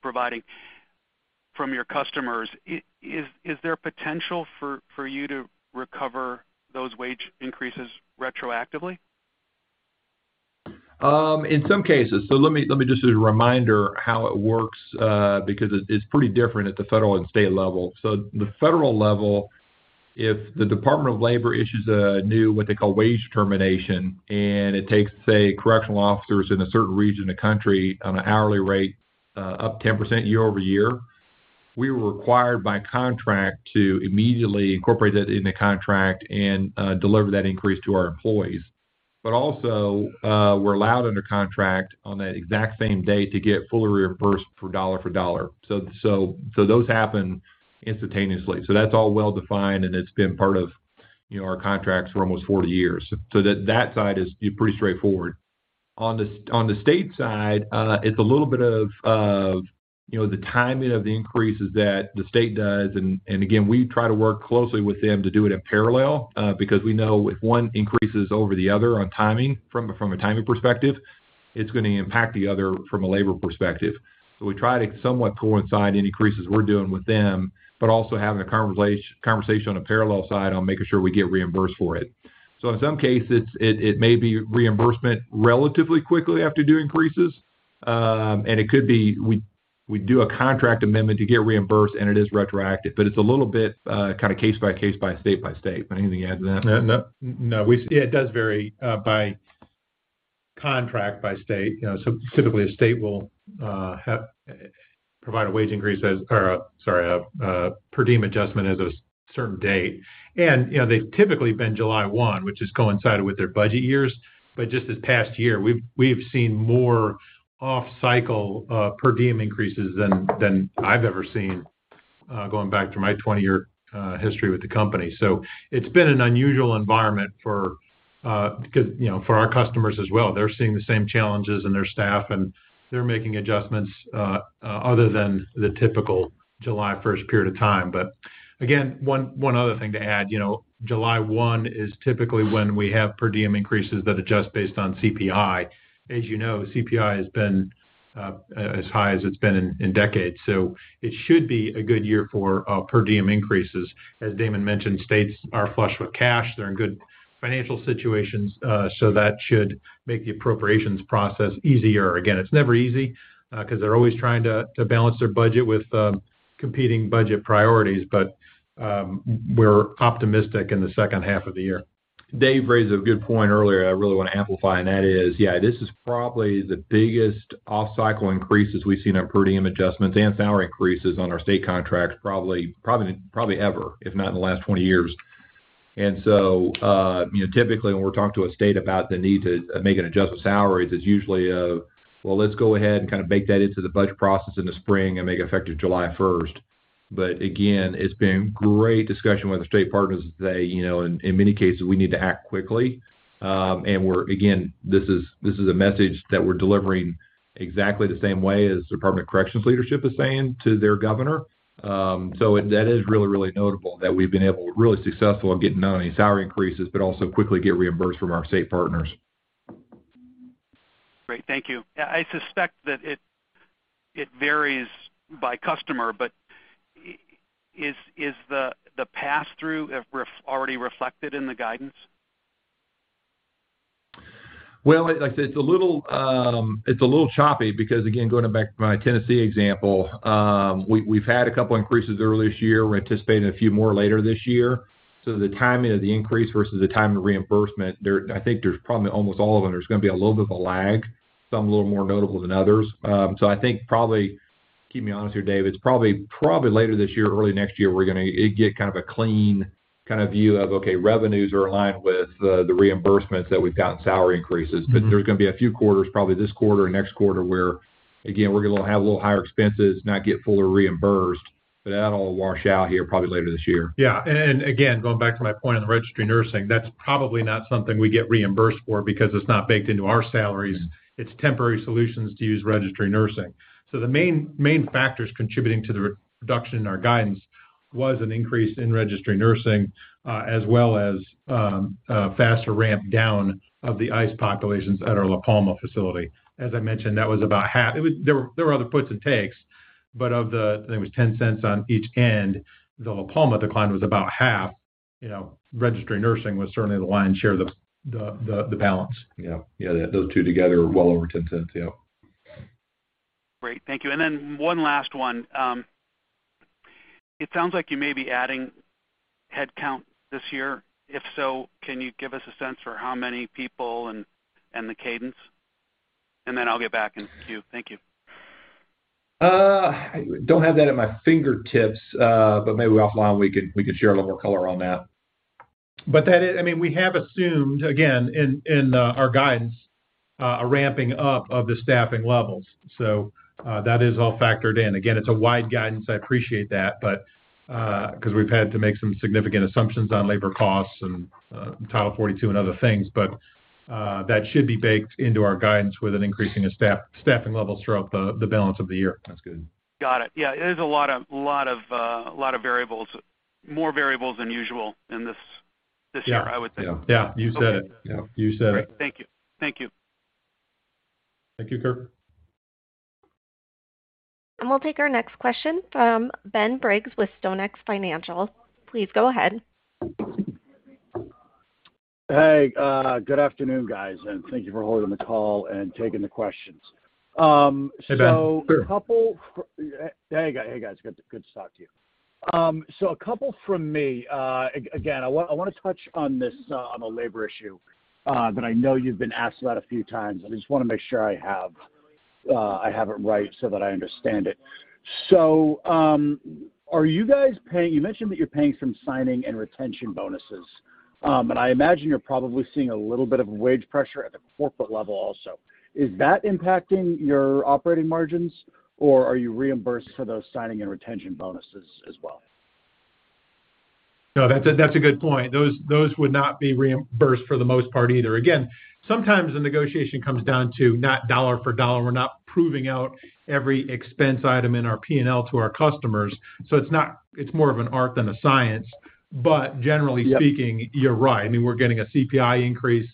providing from your customers. Is there potential for you to recover those wage increases retroactively? In some cases. Let me just as a reminder how it works, because it's pretty different at the federal and state level. The federal level, if the Department of Labor issues a new what they call wage determination, and it takes, say, correctional officers in a certain region of the country on an hourly rate up 10% year-over-year, we were required by contract to immediately incorporate that in the contract and deliver that increase to our employees. But also, we're allowed under contract on that exact same day to get fully reimbursed for dollar for dollar. Those happen instantaneously. That's all well-defined, and it's been part of, you know, our contracts for almost 40 years. That side is pretty straightforward. On the state side, it's a little bit of, you know, the timing of the increases that the state does. Again, we try to work closely with them to do it in parallel, because we know if one increases over the other on timing from a timing perspective, it's gonna impact the other from a labor perspective. We try to somewhat coincide any increases we're doing with them, but also having a conversation on a parallel side on making sure we get reimbursed for it. In some cases, it may be reimbursement relatively quickly after the increases. It could be we do a contract amendment to get reimbursed, and it is retroactive. It's a little bit kind of case by case by state. Anything to add to that? No, no. It does vary by contract by state. You know, typically, a state will provide a wage increase as or, sorry, a per diem adjustment as of certain date. You know, they've typically been July 1, which is coincided with their budget years. Just this past year, we've seen more off-cycle per diem increases than I've ever seen going back through my 20-year history with the company. It's been an unusual environment for 'cause, you know, for our customers as well. They're seeing the same challenges in their staff, and they're making adjustments other than the typical July 1 period of time. Again, one other thing to add, you know, July 1 is typically when we have per diem increases that adjust based on CPI. As you know, CPI has been as high as it's been in decades. It should be a good year for per diem increases. As Damon mentioned, states are flush with cash. They're in good financial situations, so that should make the appropriations process easier. Again, it's never easy, 'cause they're always trying to balance their budget with competing budget priorities. We're optimistic in the second half of the year. Dave raised a good point earlier I really wanna amplify, and that is, yeah, this is probably the biggest off-cycle increases we've seen in per diem adjustments and salary increases on our state contracts probably ever, if not in the last 20 years. You know, typically, when we're talking to a state about the need to make an adjustment to salaries, it's usually a, "Well, let's go ahead and kind of bake that into the budget process in the spring and make it effective July 1." But again, it's been great discussion with the state partners that they, you know, in many cases we need to act quickly. This is a message that we're delivering exactly the same way as Department of Corrections leadership is saying to their governor. That is really, really notable that we've been really successful in getting not only salary increases, but also quickly get reimbursed from our state partners. Great. Thank you. I suspect that it varies by customer, but is the pass-through already reflected in the guidance? Well, like I said, it's a little choppy because, again, going back to my Tennessee example, we've had a couple increases early this year. We're anticipating a few more later this year. The timing of the increase versus the time of reimbursement, I think there's probably almost all of them, there's gonna be a little bit of a lag, some a little more notable than others. I think probably, keep me honest here, Dave, it's probably later this year, early next year, we're gonna get kind of a clean kinda view of, okay, revenues are aligned with the reimbursements that we've got in salary increases. Mm-hmm. There's gonna be a few quarters, probably this quarter or next quarter, where, again, we're gonna have a little higher expenses, not get fully reimbursed, but that'll wash out here probably later this year. Yeah. Again, going back to my point on the registry nursing, that's probably not something we get reimbursed for because it's not baked into our salaries. It's temporary solutions to use registry nursing. The main factors contributing to the reduction in our guidance was an increase in registry nursing, as well as a faster ramp down of the ICE populations at our La Palma facility. As I mentioned, that was about half. There were other puts and takes, but of the, I think it was $0.10 on each end, the La Palma decline was about half. You know, registry nursing was certainly the lion's share of the balance. Yeah. Yeah, those two together were well over $0.10, yeah. Great. Thank you. One last one. It sounds like you may be adding headcount this year. If so, can you give us a sense for how many people and the cadence? I'll get back into queue. Thank you. I don't have that at my fingertips, but maybe offline we can share a little more color on that. That is, I mean, we have assumed, again, in our guidance a ramping up of the staffing levels. That is all factored in. Again, it's a wide guidance, I appreciate that, but 'cause we've had to make some significant assumptions on labor costs and Title 42 and other things. That should be baked into our guidance with an increasing of staffing levels throughout the balance of the year. That's good. Got it. Yeah, it is a lot of variables, more variables than usual in this year, I would say. Yeah. Yeah. You said it. Okay. You said it. Great. Thank you. Thank you. Thank you, Kirk. We'll take our next question from Ben Briggs with StoneX Financial. Please go ahead. Hey, good afternoon, guys, and thank you for holding the call and taking the questions. Hey, Ben. Sure. Hey, guys. Good to talk to you. A couple from me. I want to touch on this, on the labor issue, but I know you've been asked that a few times. I just want to make sure I have it right so that I understand it. Are you guys paying? You mentioned that you're paying some signing and retention bonuses, and I imagine you're probably seeing a little bit of wage pressure at the corporate level also. Is that impacting your operating margins, or are you reimbursed for those signing and retention bonuses as well? No, that's a good point. Those would not be reimbursed for the most part either. Again, sometimes the negotiation comes down to not dollar for dollar, we're not proving out every expense item in our P&L to our customers, so it's more of an art than a science. Generally speaking, Yeah You're right. I mean, we're getting a CPI increase,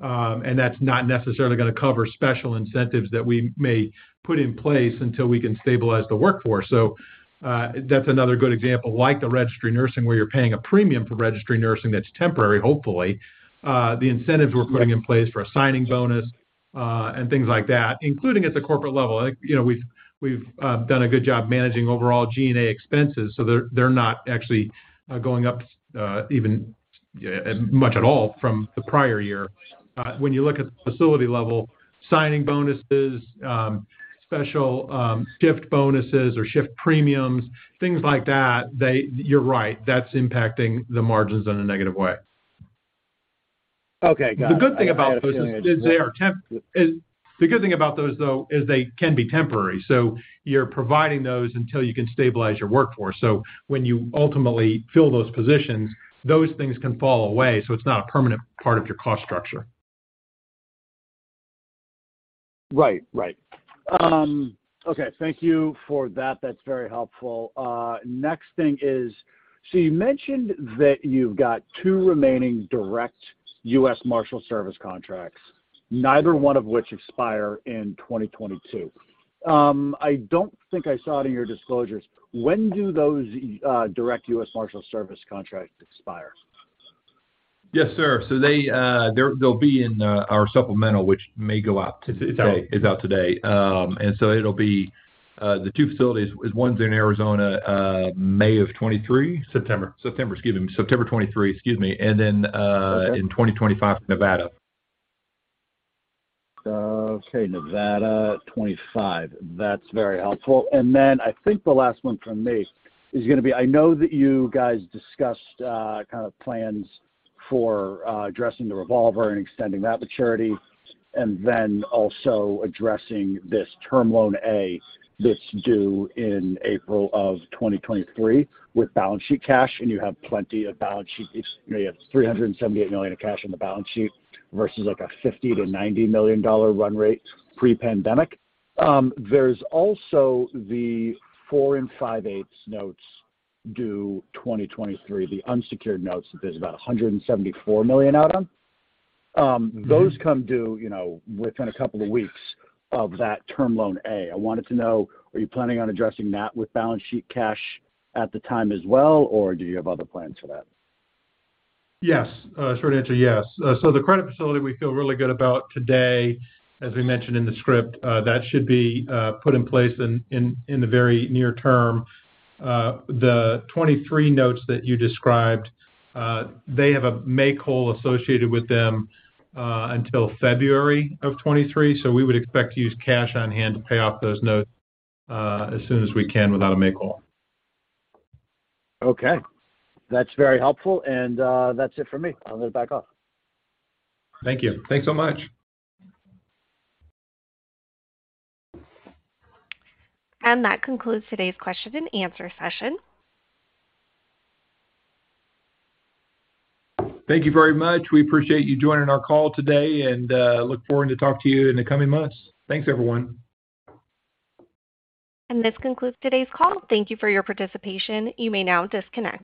and that's not necessarily gonna cover special incentives that we may put in place until we can stabilize the workforce. That's another good example, like the registry nursing, where you're paying a premium for registry nursing that's temporary, hopefully. The incentives we're putting in place for a signing bonus, and things like that, including at the corporate level. Like, you know, we've done a good job managing overall G&A expenses, so they're not actually going up even much at all from the prior year. When you look at the facility level, signing bonuses, special shift bonuses or shift premiums, things like that. You're right. That's impacting the margins in a negative way. Okay. Got it. The good thing about those, though, is they can be temporary. You're providing those until you can stabilize your workforce. When you ultimately fill those positions, those things can fall away, so it's not a permanent part of your cost structure. Right. Okay. Thank you for that. That's very helpful. Next thing is, so you mentioned that you've got two remaining direct U.S. Marshals Service contracts, neither one of which expire in 2022. I don't think I saw it in your disclosures, when do those direct U.S. Marshals Service contract expire? Yes, sir. They’ll be in our supplemental, which may go out today. It's out. It's out today. It'll be the two facilities is one's in Arizona, May of 2023. September. September 2023, and then in 2025, Nevada. Okay, Nevada 2025. That's very helpful. I think the last one from me is gonna be, I know that you guys discussed kind of plans for addressing the revolver and extending that maturity, and then also addressing this Term Loan A due in April 2023 with balance sheet cash, and you have plenty of balance sheet. You have $378 million of cash on the balance sheet versus, like, a $50 million-$90 million run rate pre-pandemic. There's also the four, five, eight notes due 2023, the unsecured notes that there's about $174 million out on. Those come due, you know, within a couple of weeks of that Term Loan A. I wanted to know, are you planning on addressing that with balance sheet cash at the time as well, or do you have other plans for that? Yes. Short answer, yes. The credit facility we feel really good about today, as we mentioned in the script. That should be put in place in the very near term. The 2023 notes that you described, they have a make-whole associated with them, until February of 2023, so we would expect to use cash on hand to pay off those notes, as soon as we can without a make-whole. Okay. That's very helpful and, that's it for me. I'm gonna back off. Thank you. Thanks so much. That concludes today's question and answer session. Thank you very much. We appreciate you joining our call today, and look forward to talk to you in the coming months. Thanks, everyone. This concludes today's call. Thank you for your participation. You may now disconnect.